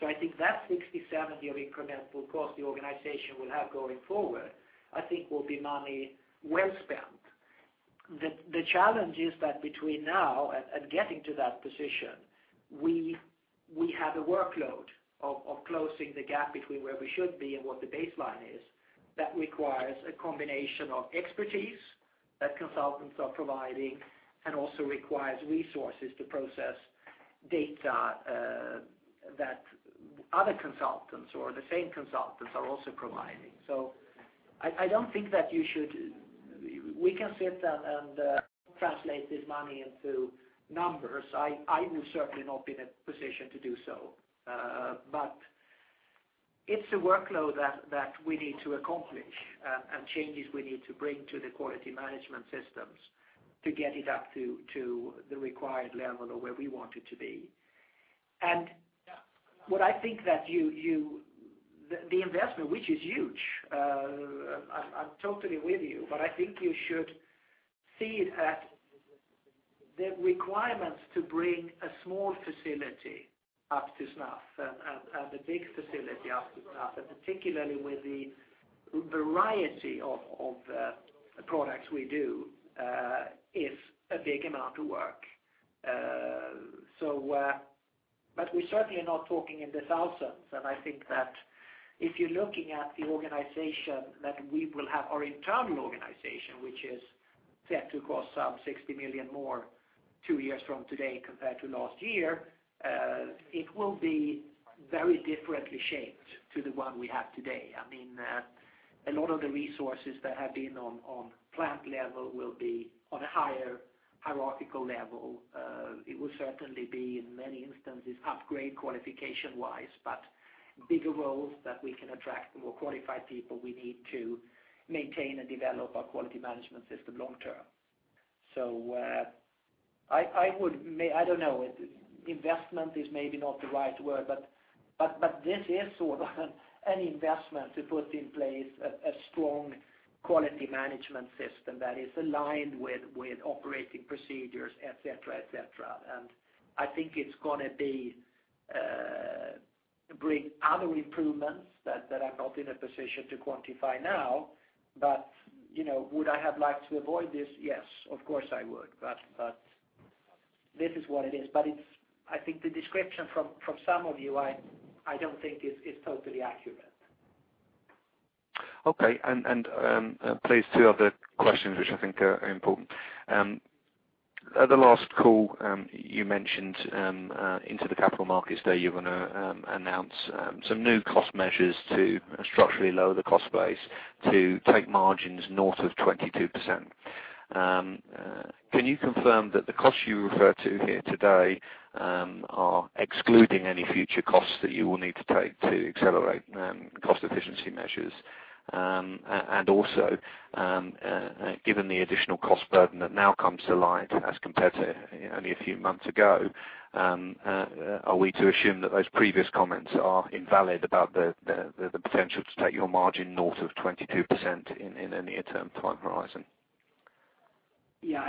So I think that 60 million-70 million of incremental cost the organization will have going forward, I think will be money well spent. The challenge is that between now and getting to that position, we have a workload of closing the gap between where we should be and what the baseline is. That requires a combination of expertise that consultants are providing, and also requires resources to process data that other consultants or the same consultants are also providing. So I don't think that you should. We can sit and translate this money into numbers. I will certainly not be in a position to do so. But it's a workload that we need to accomplish, and changes we need to bring to the quality management systems to get it up to the required level or where we want it to be. What I think that you the investment, which is huge, I'm totally with you, but I think you should see it at the requirements to bring a small facility up to snuff and a big facility up to snuff, and particularly with the variety of the products we do is a big amount of work. But we certainly are not talking in the thousands. And I think that if you're looking at the organization that we will have, our internal organization, which is set to cost some 60 million more two years from today compared to last year, it will be very differently shaped to the one we have today. I mean, a lot of the resources that have been on plant level will be on a higher hierarchical level. It will certainly be, in many instances, upgrade qualification-wise, but bigger roles that we can attract the more qualified people we need to maintain and develop our quality management system long term. I would may-- I don't know, investment is maybe not the right word, but this is sort of an investment to put in place a strong quality management system that is aligned with operating procedures, et cetera, et cetera. I think it's gonna be bring other improvements that I'm not in a position to quantify now. You know, would I have liked to avoid this? Yes, of course I would. This is what it is. I think the description from some of you, I don't think is totally accurate. Okay. And please, two other questions, which I think are important. At the last call, you mentioned into the capital markets day, you're gonna announce some new cost measures to structurally lower the cost base to take margins north of 22%. Can you confirm that the costs you refer to here today are excluding any future costs that you will need to take to accelerate cost efficiency measures? And also, given the additional cost burden that now comes to light as compared to only a few months ago, are we to assume that those previous comments are invalid about the potential to take your margin north of 22% in a near-term time horizon? Yeah,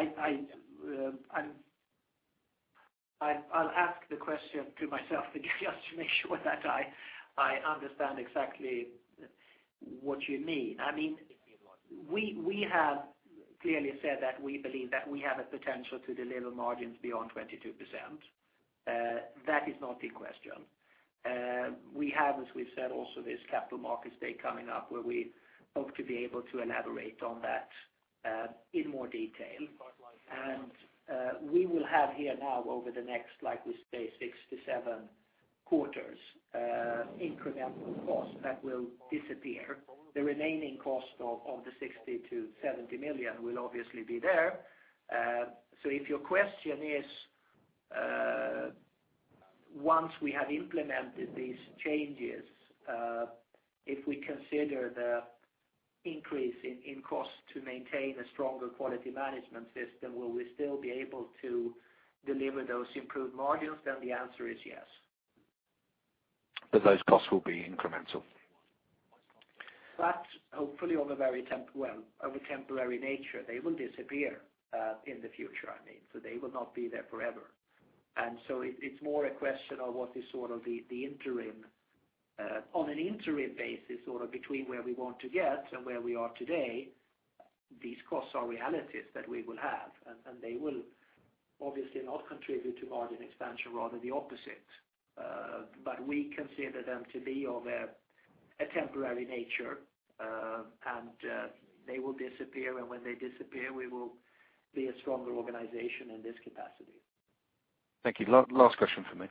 I'll ask the question to myself just to make sure that I understand exactly what you mean. I mean, we have clearly said that we believe that we have a potential to deliver margins beyond 22%. That is not in question. We have, as we've said, also this capital markets day coming up, where we hope to be able to elaborate on that in more detail. We will have here now over the next, like we say, 6-7 quarters, incremental costs that will disappear. The remaining cost of the 60-70 million will obviously be there. So if your question is, once we have implemented these changes, if we consider the increase in costs to maintain a stronger quality management system, will we still be able to deliver those improved margins? Then the answer is yes. But those costs will be incremental. But hopefully of a very temporary nature, they will disappear in the future, I mean, so they will not be there forever. So it is more a question of what is sort of the interim on an interim basis, sort of between where we want to get and where we are today, these costs are realities that we will have, and they will obviously not contribute to margin expansion, rather the opposite. But we consider them to be of a temporary nature, and they will disappear, and when they disappear, we will be a stronger organization in this capacity. Thank you. Last question from me.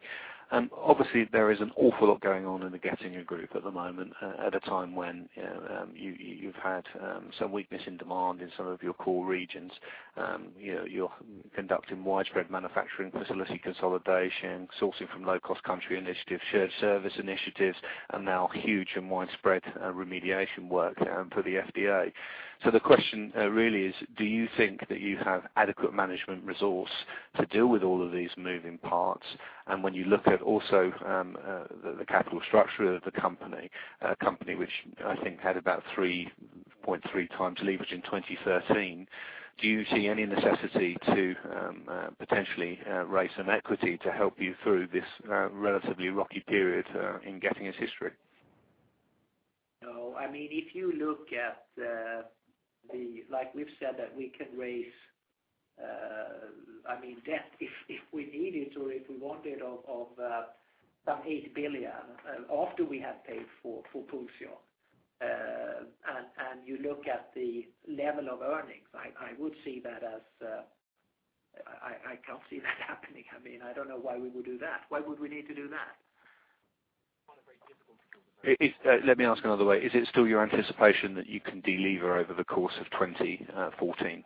Obviously, there is an awful lot going on in the Getinge group at the moment, at a time when, you, you've had, some weakness in demand in some of your core regions. You know, you're conducting widespread manufacturing facility consolidation, sourcing from low-cost country initiative, shared service initiatives, and now huge and widespread, remediation work, for the FDA. So the question, really is, do you think that you have adequate management resource to deal with all of these moving parts? And when you look at also, the, the capital structure of the company, a company which I think had about 3.3 times leverage in 2013, do you see any necessity to, potentially, raise some equity to help you through this, relatively rocky period, in Getinge's history? No, I mean, if you look at the, like we've said, that we can raise, I mean, debt, if we needed to, or if we wanted of some 8 billion, after we have paid for Pulsion. And you look at the level of earnings, I can't see that happening. I mean, I don't know why we would do that. Why would we need to do that? Let me ask another way: Is it still your anticipation that you can delever over the course of 2014? If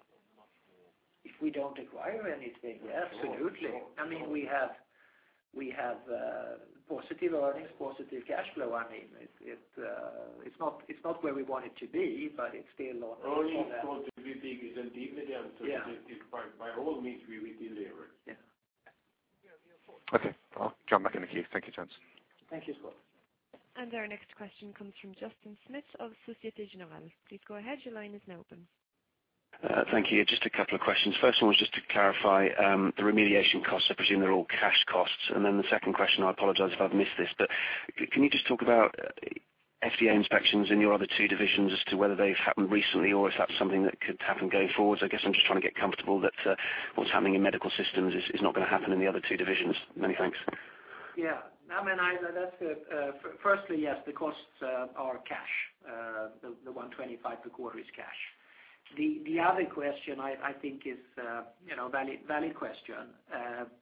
we don't acquire anything, yes, absolutely. Sure, sure. I mean, we have, we have positive earnings, positive cash flow. I mean, it, it it's not, it's not where we want it to be, but it's still not- Earnings supposed to be net debt to EBITDA. Yeah. So by all means, we will deliver. Yeah. Okay. I'll jump back in the queue. Thank you, gents. Thank you as well. Our next question comes from Justin Smith of Société Générale. Please go ahead. Your line is now open. Thank you. Just a couple of questions. First one was just to clarify, the remediation costs. I presume they're all cash costs. And then the second question, I apologize if I've missed this, but can you just talk about FDA inspections in your other two divisions as to whether they've happened recently, or is that something that could happen going forward? So I guess I'm just trying to get comfortable that, what's happening in medical systems is not going to happen in the other two divisions. Many thanks. Yeah. I mean, that's it. Firstly, yes, the costs are cash. The 125 per quarter is cash. The other question, I think is, you know, valid question.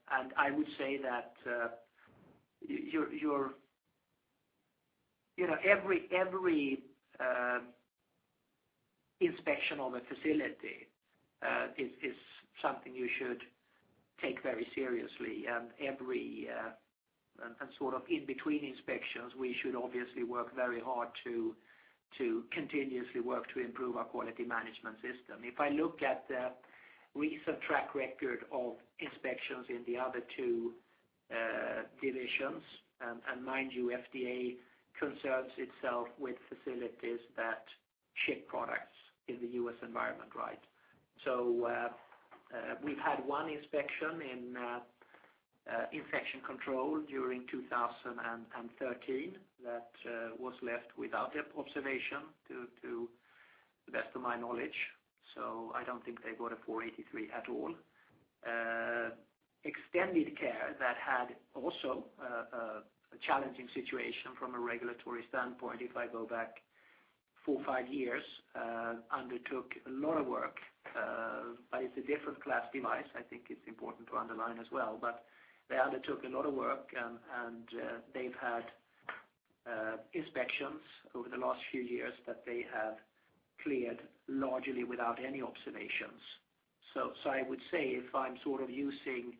And I would say that, your... You know, every inspection on a facility is something you should take very seriously. And every, and sort of in between inspections, we should obviously work very hard to continuously work to improve our quality management system. If I look at the recent track record of inspections in the other two divisions, and mind you, FDA concerns itself with facilities that ship products in the U.S. environment, right?... So, we've had one inspection in Infection Control during 2013 that was left without the observation, to the best of my knowledge, so I don't think they got a 483 at all. Extended Care that had also a challenging situation from a regulatory standpoint, if I go back four, five years, undertook a lot of work, but it's a different class device. I think it's important to underline as well. But they undertook a lot of work, and they've had inspections over the last few years that they have cleared largely without any observations. So, I would say if I'm sort of using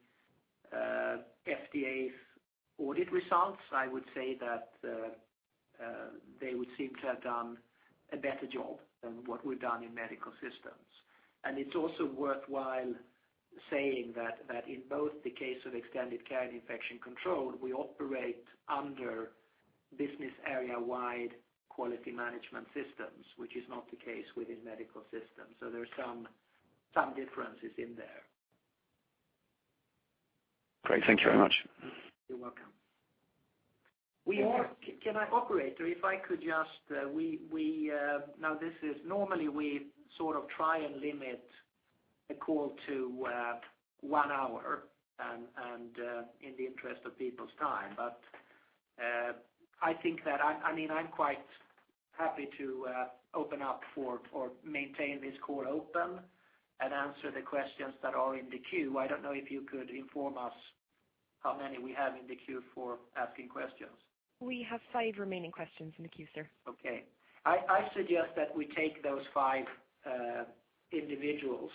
FDA's audit results, I would say that they would seem to have done a better job than what we've done in Medical Systems. It's also worthwhile saying that in both the case of Extended Care and Infection Control, we operate under business area-wide quality management systems, which is not the case within Medical Systems, so there are some differences in there. Great, thank you very much. You're welcome. We have- Can I- Operator, if I could just now, this is normally we sort of try and limit a call to one hour and in the interest of people's time. But I think that, I mean, I'm quite happy to open up for or maintain this call open and answer the questions that are in the queue. I don't know if you could inform us how many we have in the queue for asking questions. We have five remaining questions in the queue, sir. Okay. I suggest that we take those five individuals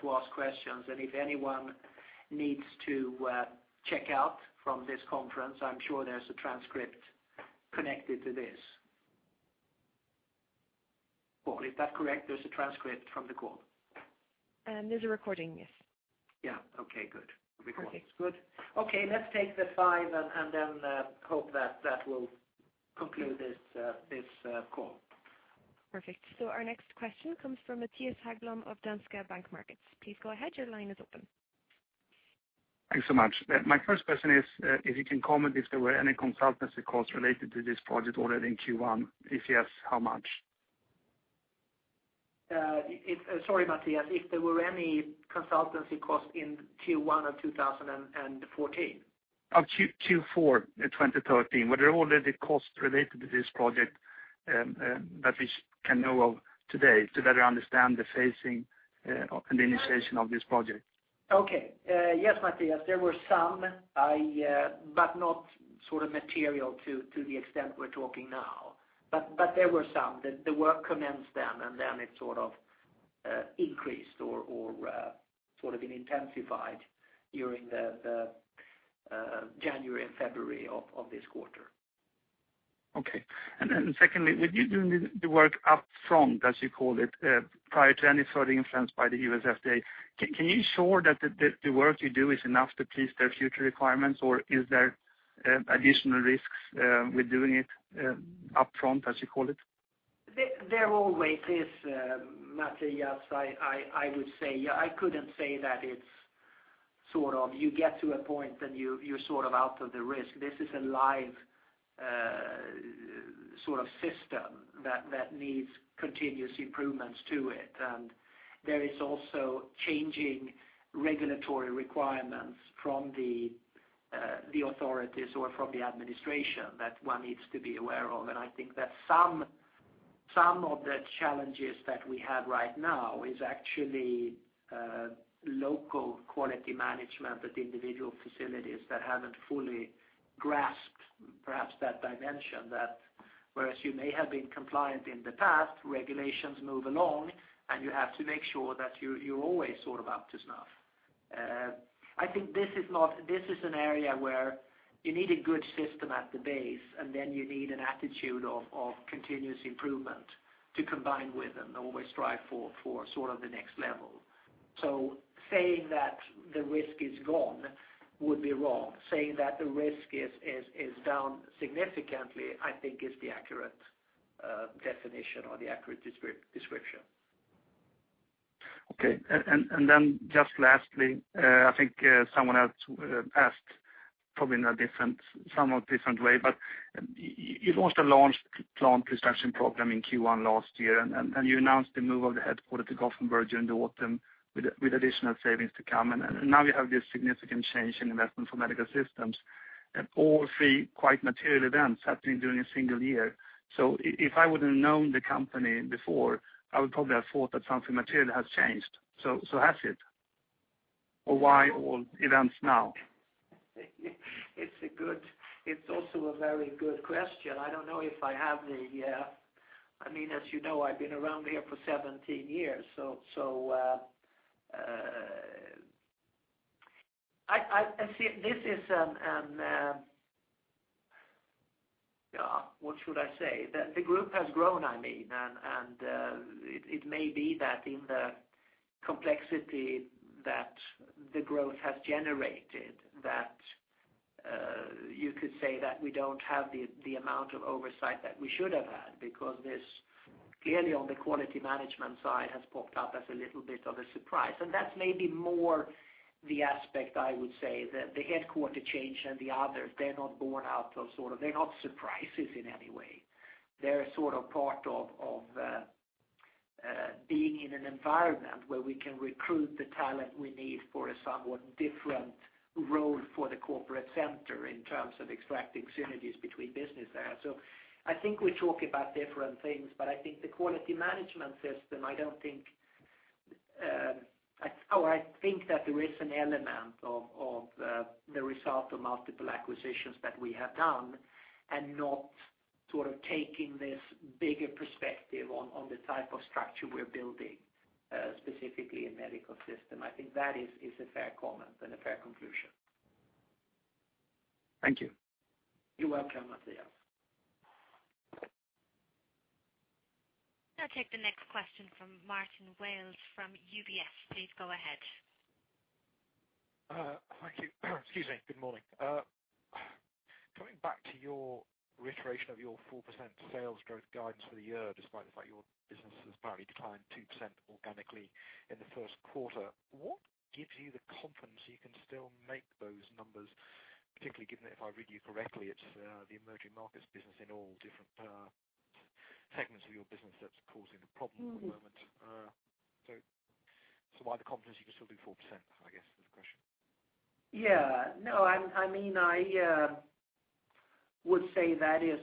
to ask questions, and if anyone needs to check out from this conference, I'm sure there's a transcript connected to this. Oh, is that correct? There's a transcript from the call? There's a recording, yes. Yeah. Okay, good. Okay. Recording is good. Okay, let's take the five and then hope that that will conclude this call. Perfect. So our next question comes from Mattias Häggblom of Danske Bank Markets. Please go ahead, your line is open. Thanks so much. My first question is, if you can comment if there were any consultancy costs related to this project ordered in Q1? If yes, how much? Sorry, Mattias, if there were any consultancy costs in Q1 of 2014? Of Q4 in 2013, were there all the costs related to this project that we can know of today, to better understand the phasing and the initiation of this project? Okay. Yes, Mattias, there were some, but not sort of material to the extent we're talking now. But there were some. The work commenced then, and then it sort of increased or sort of been intensified during the January and February of this quarter. Okay. And then secondly, with you doing the work upfront, as you call it, prior to any further influence by the U.S. FDA, can you ensure that the work you do is enough to please their future requirements, or is there additional risks with doing it upfront, as you call it? There always is, Mattias. I would say. I couldn't say that it's sort of, you get to a point, then you're sort of out of the risk. This is a live sort of system that needs continuous improvements to it. And there is also changing regulatory requirements from the authorities or from the administration that one needs to be aware of. And I think that some of the challenges that we have right now is actually local quality management at individual facilities that haven't fully grasped, perhaps, that dimension, that whereas you may have been compliant in the past, regulations move along, and you have to make sure that you're always sort of up to snuff. I think this is not. This is an area where you need a good system at the base, and then you need an attitude of continuous improvement to combine with and always strive for sort of the next level. So saying that the risk is gone would be wrong. Saying that the risk is down significantly, I think is the accurate definition or the accurate description. Okay. And then just lastly, I think someone else asked probably in a different, somewhat different way, but you launched a plant construction program in Q1 last year, and you announced the move of the headquarters to Gothenburg during the autumn, with additional savings to come. And now you have this significant change in investment for medical systems, and all three quite material events happening during a single year. So if I wouldn't have known the company before, I would probably have thought that something material has changed. So has it? Or why all events now? It's also a very good question. I don't know if I have the, I mean, as you know, I've been around here for 17 years, I see, this is an, what should I say? That the group has grown, I mean, it may be that in the complexity that the growth has generated, you could say that we don't have the amount of oversight that we should have had, because this, clearly, on the quality management side, has popped up as a little bit of a surprise. And that's maybe more the aspect, I would say, that the headquarters change and the others, they're not born out of sort of-- They're not surprises in any way. They're sort of part of being in an environment where we can recruit the talent we need for a somewhat different role for the corporate center in terms of extracting synergies between business areas. So I think we talk about different things, but I think the quality management system, I don't think. Oh, I think that there is an element of the result of multiple acquisitions that we have done, and not sort of taking this bigger perspective on the type of structure we're building, specifically in medical system. I think that is a fair comment and a fair conclusion. Thank you. You're welcome, Mattias. I'll take the next question from Martin Wales from UBS. Please go ahead. Thank you. Excuse me. Good morning. Coming back to your reiteration of your 4% sales growth guidance for the year, despite the fact your business has apparently declined 2% organically in the Q1, what gives you the confidence you can still make those numbers, particularly given that, if I read you correctly, it's the emerging markets business in all different segments of your business that's causing the problem at the moment? Mm-hmm. So why the confidence you can still do 4%, I guess, is the question? Yeah. No, I mean, I would say that is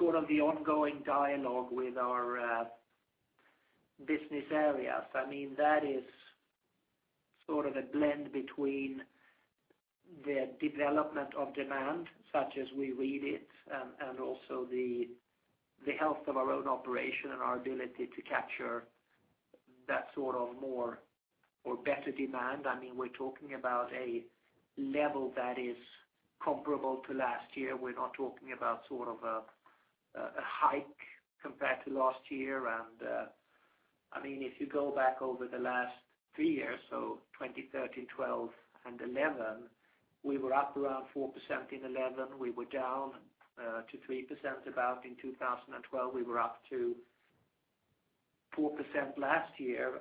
sort of the ongoing dialogue with our business areas. I mean, that is sort of a blend between the development of demand, such as we read it, and also the health of our own operation and our ability to capture that sort of more or better demand. I mean, we're talking about a level that is comparable to last year. We're not talking about sort of a hike compared to last year. And, I mean, if you go back over the last three years, so 2013, 2012 and 2011, we were up around 4% in 2011. We were down to 3% about in 2012. We were up to 4% last year.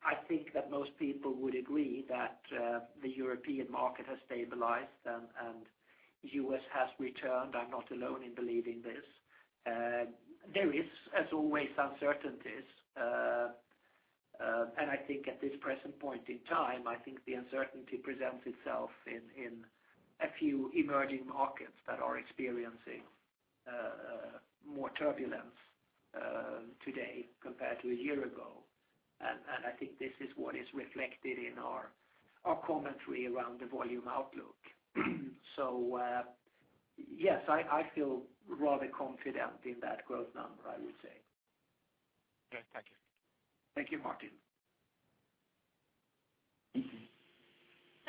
I think that most people would agree that the European market has stabilized and U.S. has returned. I'm not alone in believing this. There is, as always, uncertainties. And I think at this present point in time, I think the uncertainty presents itself in a few emerging markets that are experiencing more turbulence today compared to a year ago. And I think this is what is reflected in our commentary around the volume outlook. So, yes, I feel rather confident in that growth number, I would say. Okay. Thank you. Thank you, Martin.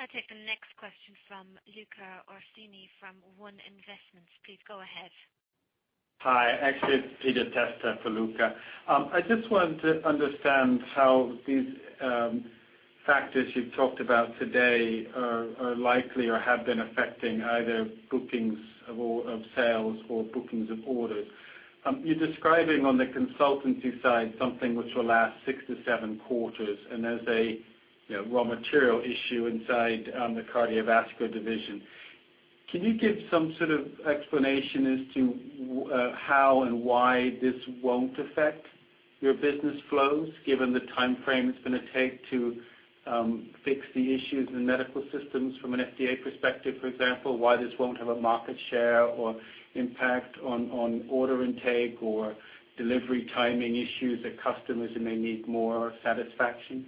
I'll take the next question from Luca Orsini from ONE Investments. Please go ahead. Hi. Actually, it's Peter Testa for Luca. I just wanted to understand how these factors you've talked about today are likely or have been affecting either bookings of or sales or bookings of orders. You're describing on the consultancy side something which will last 6-7 quarters, and there's a, you know, raw material issue inside the cardiovascular division. Can you give some sort of explanation as to how and why this won't affect your business flows, given the time frame it's going to take to fix the issues in medical systems from an FDA perspective, for example, why this won't have a market share or impact on order intake or delivery timing issues that customers may need more satisfaction?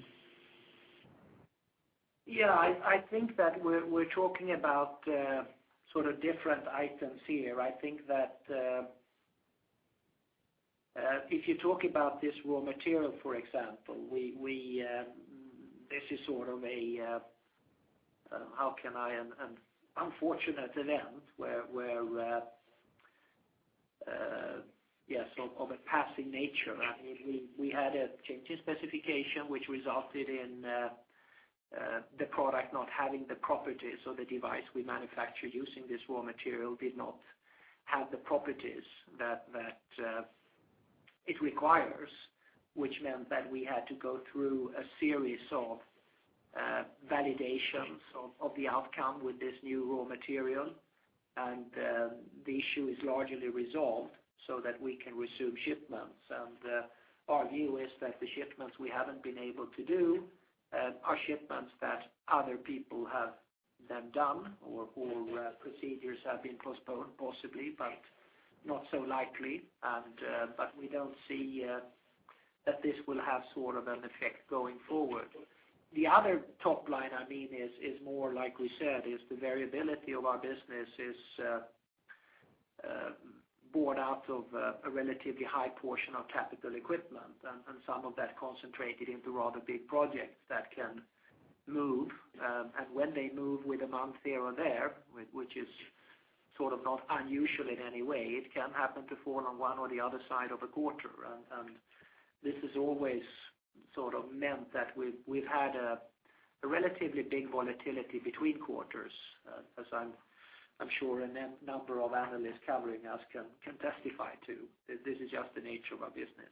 Yeah, I think that we're talking about sort of different items here. I think that if you talk about this raw material, for example, this is sort of an unfortunate event where yes, of a passing nature. I mean, we had a change in specification, which resulted in the product not having the properties or the device we manufacture using this raw material did not have the properties that it requires. Which meant that we had to go through a series of validations of the outcome with this new raw material. And the issue is largely resolved so that we can resume shipments. Our view is that the shipments we haven't been able to do are shipments that other people have them done, or procedures have been postponed, possibly, but not so likely. But we don't see that this will have sort of an effect going forward. The other top line, I mean, is more like we said, the variability of our business is born out of a relatively high portion of capital equipment, and some of that concentrated into rather big projects that can move, and when they move with a month here or there, which is sort of not unusual in any way. It can happen to fall on one or the other side of a quarter, and this has always sort of meant that we've had a relatively big volatility between quarters, as I'm sure a number of analysts covering us can testify to. This is just the nature of our business.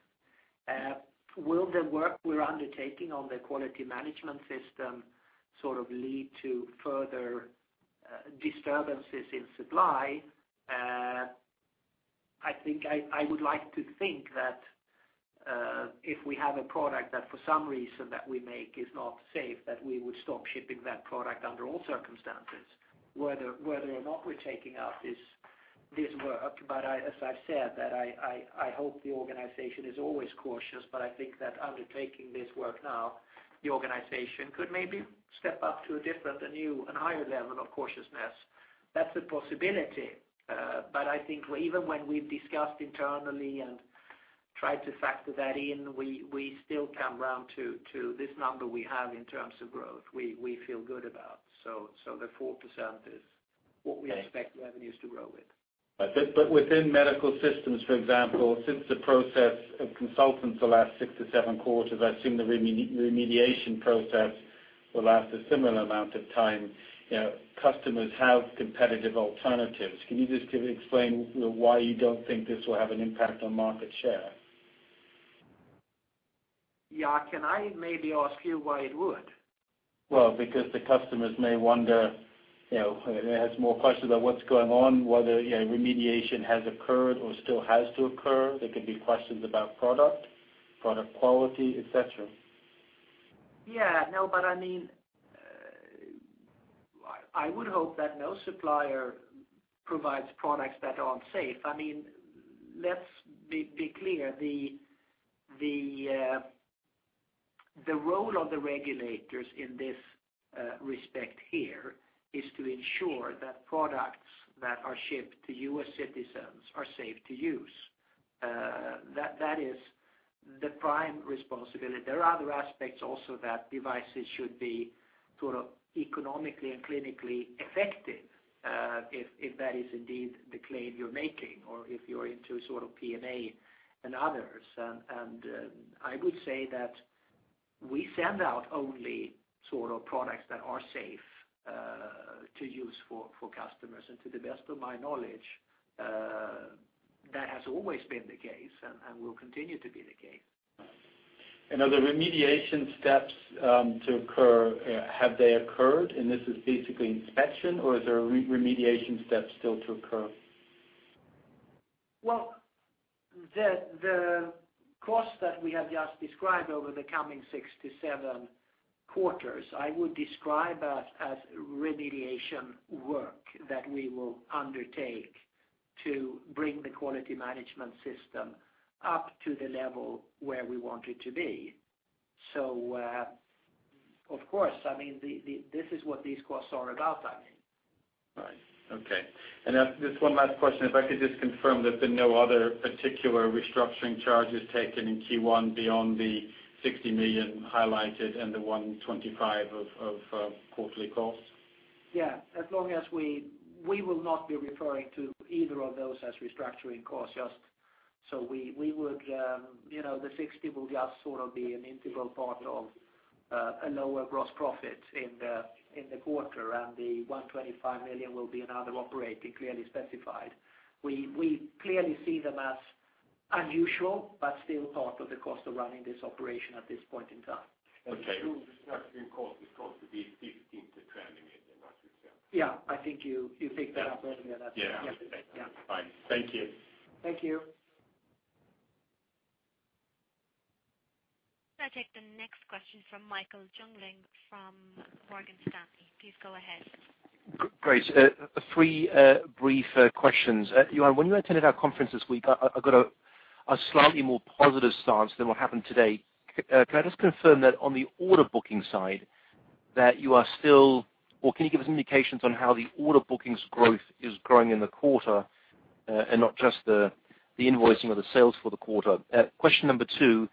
Will the work we're undertaking on the quality management system sort of lead to further disturbances in supply? I think I would like to think that if we have a product that for some reason that we make is not safe, that we would stop shipping that product under all circumstances, whether or not we're taking up this work. But I, as I've said, that I hope the organization is always cautious, but I think that undertaking this work now, the organization could maybe step up to a different, a new and higher level of cautiousness. That's a possibility, but I think even when we've discussed internally and tried to factor that in, we still come around to this number we have in terms of growth, we feel good about. So the 4% is what we expect revenues to grow with. But within medical systems, for example, since the process of consultants the last 6-7 quarters, I assume the remediation process will last a similar amount of time. You know, customers have competitive alternatives. Can you just explain why you don't think this will have an impact on market share? Yeah, can I maybe ask you why it would? Well, because the customers may wonder, you know, may ask more questions about what's going on, whether, you know, remediation has occurred or still has to occur. There could be questions about product, product quality, et cetera. Yeah. No, but I mean, I would hope that no supplier provides products that aren't safe. I mean, let's be clear, the role of the regulators in this respect here is to ensure that products that are shipped to U.S. citizens are safe to use. That is the prime responsibility. There are other aspects also, that devices should be sort of economically and clinically effective, if that is indeed the claim you're making or if you're into sort of PMA and others. I would say that we send out only sort of products that are safe to use for customers. And to the best of my knowledge, that has always been the case and will continue to be the case. Are the remediation steps to occur, have they occurred, and this is basically inspection, or are there remediation steps still to occur? Well, the cost that we have just described over the coming 6-7 quarters, I would describe as remediation work that we will undertake to bring the quality management system up to the level where we want it to be. So, of course, I mean, this is what these costs are about, I mean. Right. Okay. And just one last question. If I could just confirm that there are no other particular restructuring charges taken in Q1 beyond the 60 million highlighted and the 125 of quarterly costs? Yeah, as long as we will not be referring to either of those as restructuring costs, just so we would, you know, the 60 million will just sort of be an integral part of a lower gross profit in the quarter, and the 125 million will be another operating, clearly specified. We clearly see them as unusual, but still part of the cost of running this operation at this point in time. Okay. True restructuring cost is going to be 15 million-20 million, not yourself. Yeah, I think you, you picked that up earlier. Yeah. Yeah. Fine. Thank you. Thank you. I'll take the next question from Michael Jungling from Morgan Stanley. Please go ahead. Great. Three brief questions. Johan, when you attended our conference this week, I got a slightly more positive stance than what happened today. Can I just confirm that on the order booking side, that you are still—or can you give us indications on how the order bookings growth is growing in the quarter, and not just the invoicing or the sales for the quarter? Question number two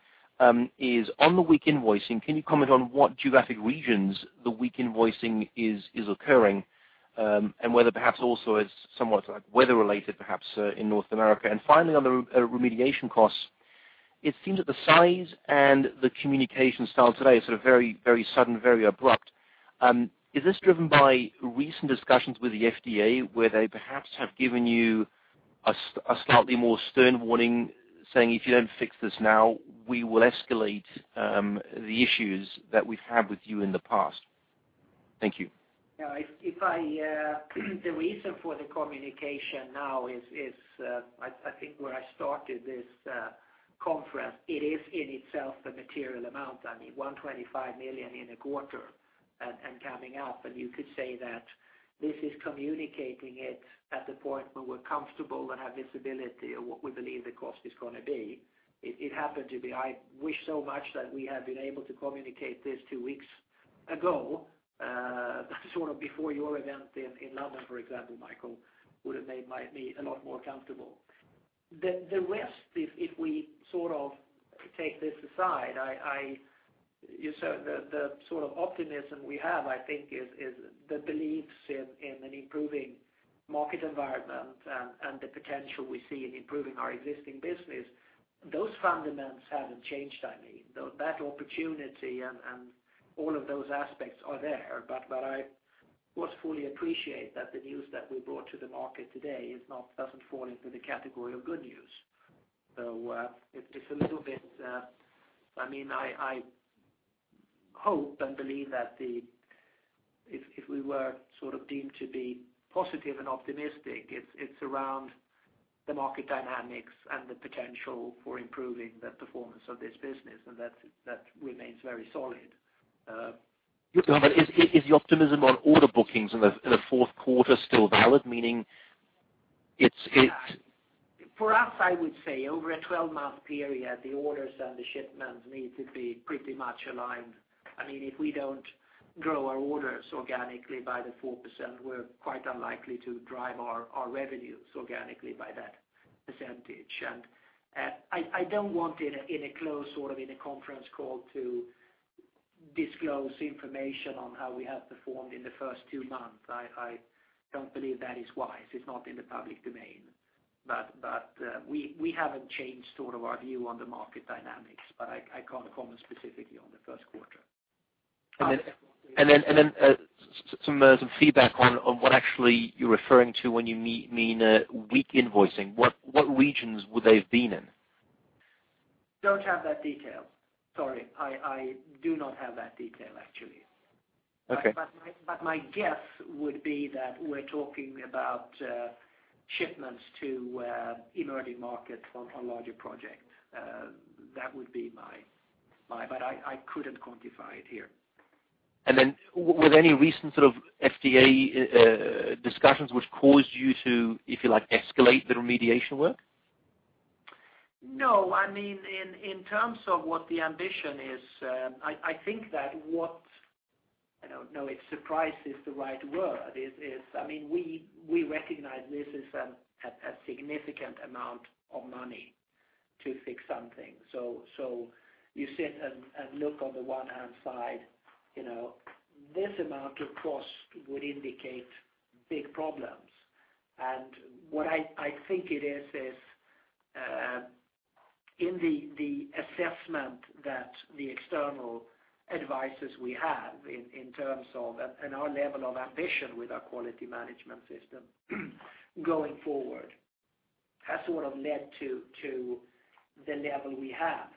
is on the weak invoicing. Can you comment on what geographic regions the weak invoicing is occurring, and whether perhaps also it's somewhat, like, weather related, perhaps, in North America? And finally, on the remediation costs, it seems that the size and the communication style today is sort of very, very sudden, very abrupt. Is this driven by recent discussions with the FDA, where they perhaps have given you a slightly more stern warning, saying: If you don't fix this now, we will escalate the issues that we've had with you in the past? Thank you. Yeah, if I, the reason for the communication now is, I think where I started this conference, it is in itself a material amount. I mean, 125 million in a quarter and coming up, and you could say that this is communicating it at the point where we're comfortable and have visibility of what we believe the cost is going to be. It happened to be... I wish so much that we had been able to communicate this two weeks ago, sort of before your event in London, for example, Michael, would have made me a lot more comfortable. The rest, if we sort of-... To take this aside, you said the sort of optimism we have, I think, is the beliefs in an improving market environment and the potential we see in improving our existing business. Those fundamentals haven't changed, I mean. Though that opportunity and all of those aspects are there, but I do fully appreciate that the news that we brought to the market today doesn't fall into the category of good news. So, it's a little bit, I mean, I hope and believe that if we were sort of deemed to be positive and optimistic, it's around the market dynamics and the potential for improving the performance of this business, and that remains very solid. Is the optimism on order bookings in the Q4 still valid? Meaning, it's For us, I would say over a twelve-month period, the orders and the shipments need to be pretty much aligned. I mean, if we don't grow our orders organically by 4%, we're quite unlikely to drive our revenues organically by that percentage. And, I don't want in a, in a close, sort of, in a conference call to disclose information on how we have performed in the first two months. I don't believe that is wise. It's not in the public domain. But, but, we haven't changed sort of our view on the market dynamics, but I can't comment specifically on the Q1. And then, some feedback on what actually you're referring to when you mean weak invoicing. What regions would they have been in? Don't have that detail. Sorry, I do not have that detail, actually. Okay. But my, but my guess would be that we're talking about shipments to emerging markets on larger project. That would be my, my... But I, I couldn't quantify it here. Then, were there any recent sort of FDA discussions which caused you to, if you like, escalate the remediation work? No. I mean, in terms of what the ambition is, I think that, I don't know if surprise is the right word, is—I mean, we recognize this is a significant amount of money to fix something. So you sit and look on the one hand side, you know, this amount of cost would indicate big problems. And what I think it is, is in the assessment that the external advisors we have in terms of, and our level of ambition with our Quality Management System, going forward, has sort of led to the level we have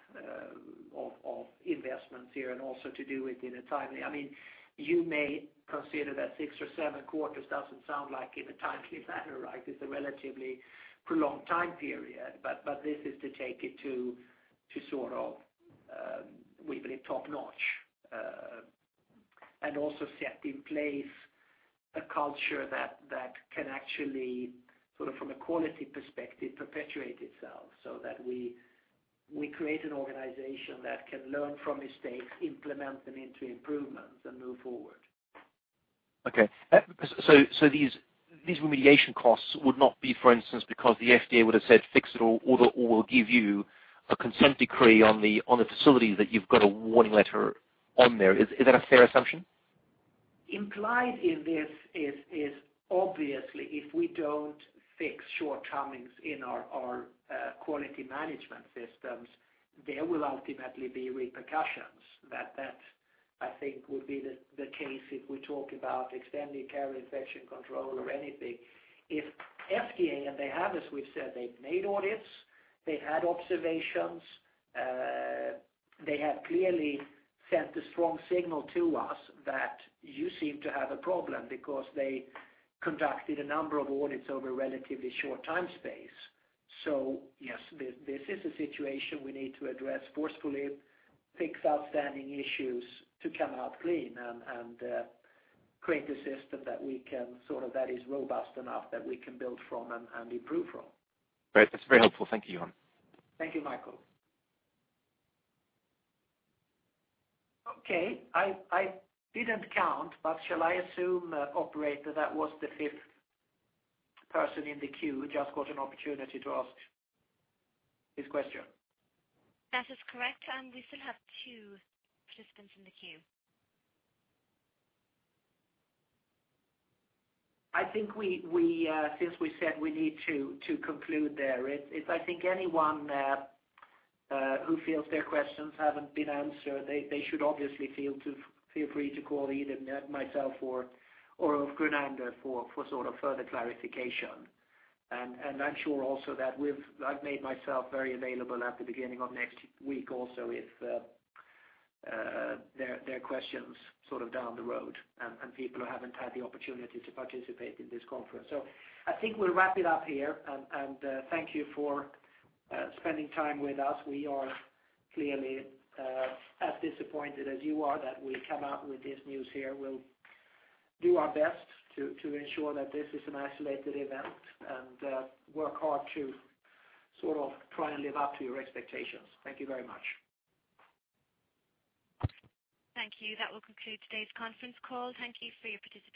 of investments here and also to do it in a timely. I mean, you may consider that 6 or 7 quarters doesn't sound like in a timely manner, right? It's a relatively prolonged time period, but this is to take it to sort of, we believe, top-notch. And also set in place a culture that can actually, sort of, from a quality perspective, perpetuate itself, so that we create an organization that can learn from mistakes, implement them into improvements, and move forward. Okay. So these remediation costs would not be, for instance, because the FDA would have said, "Fix it or we'll give you a consent decree on the facility that you've got a warning letter on there." Is that a fair assumption? Implied in this is obviously, if we don't fix shortcomings in our quality management systems, there will ultimately be repercussions. That, I think, would be the case if we talk about Extended Care, Infection Control, or anything. If FDA, and they have, as we've said, they've made audits, they've had observations, they have clearly sent a strong signal to us that you seem to have a problem because they conducted a number of audits over a relatively short time space. So yes, this is a situation we need to address forcefully, fix outstanding issues to come out clean and, create a system that we can, sort of, that is robust enough that we can build from and improve from. Great. That's very helpful. Thank you, Johan. Thank you, Michael. Okay, I didn't count, but shall I assume, operator, that was the fifth person in the queue, just got an opportunity to ask his question? That is correct, and we still have two participants in the queue. I think we since we said we need to conclude there, if I think anyone who feels their questions haven't been answered, they should obviously feel free to call either myself or Ulf Grunander for sort of further clarification. And I'm sure also that I've made myself very available at the beginning of next week also, if there are questions sort of down the road and people who haven't had the opportunity to participate in this conference. So I think we'll wrap it up here, and thank you for spending time with us. We are clearly as disappointed as you are that we come out with this news here. We'll do our best to ensure that this is an isolated event and work hard to sort of try and live up to your expectations. Thank you very much. Thank you. That will conclude today's conference call. Thank you for your participation.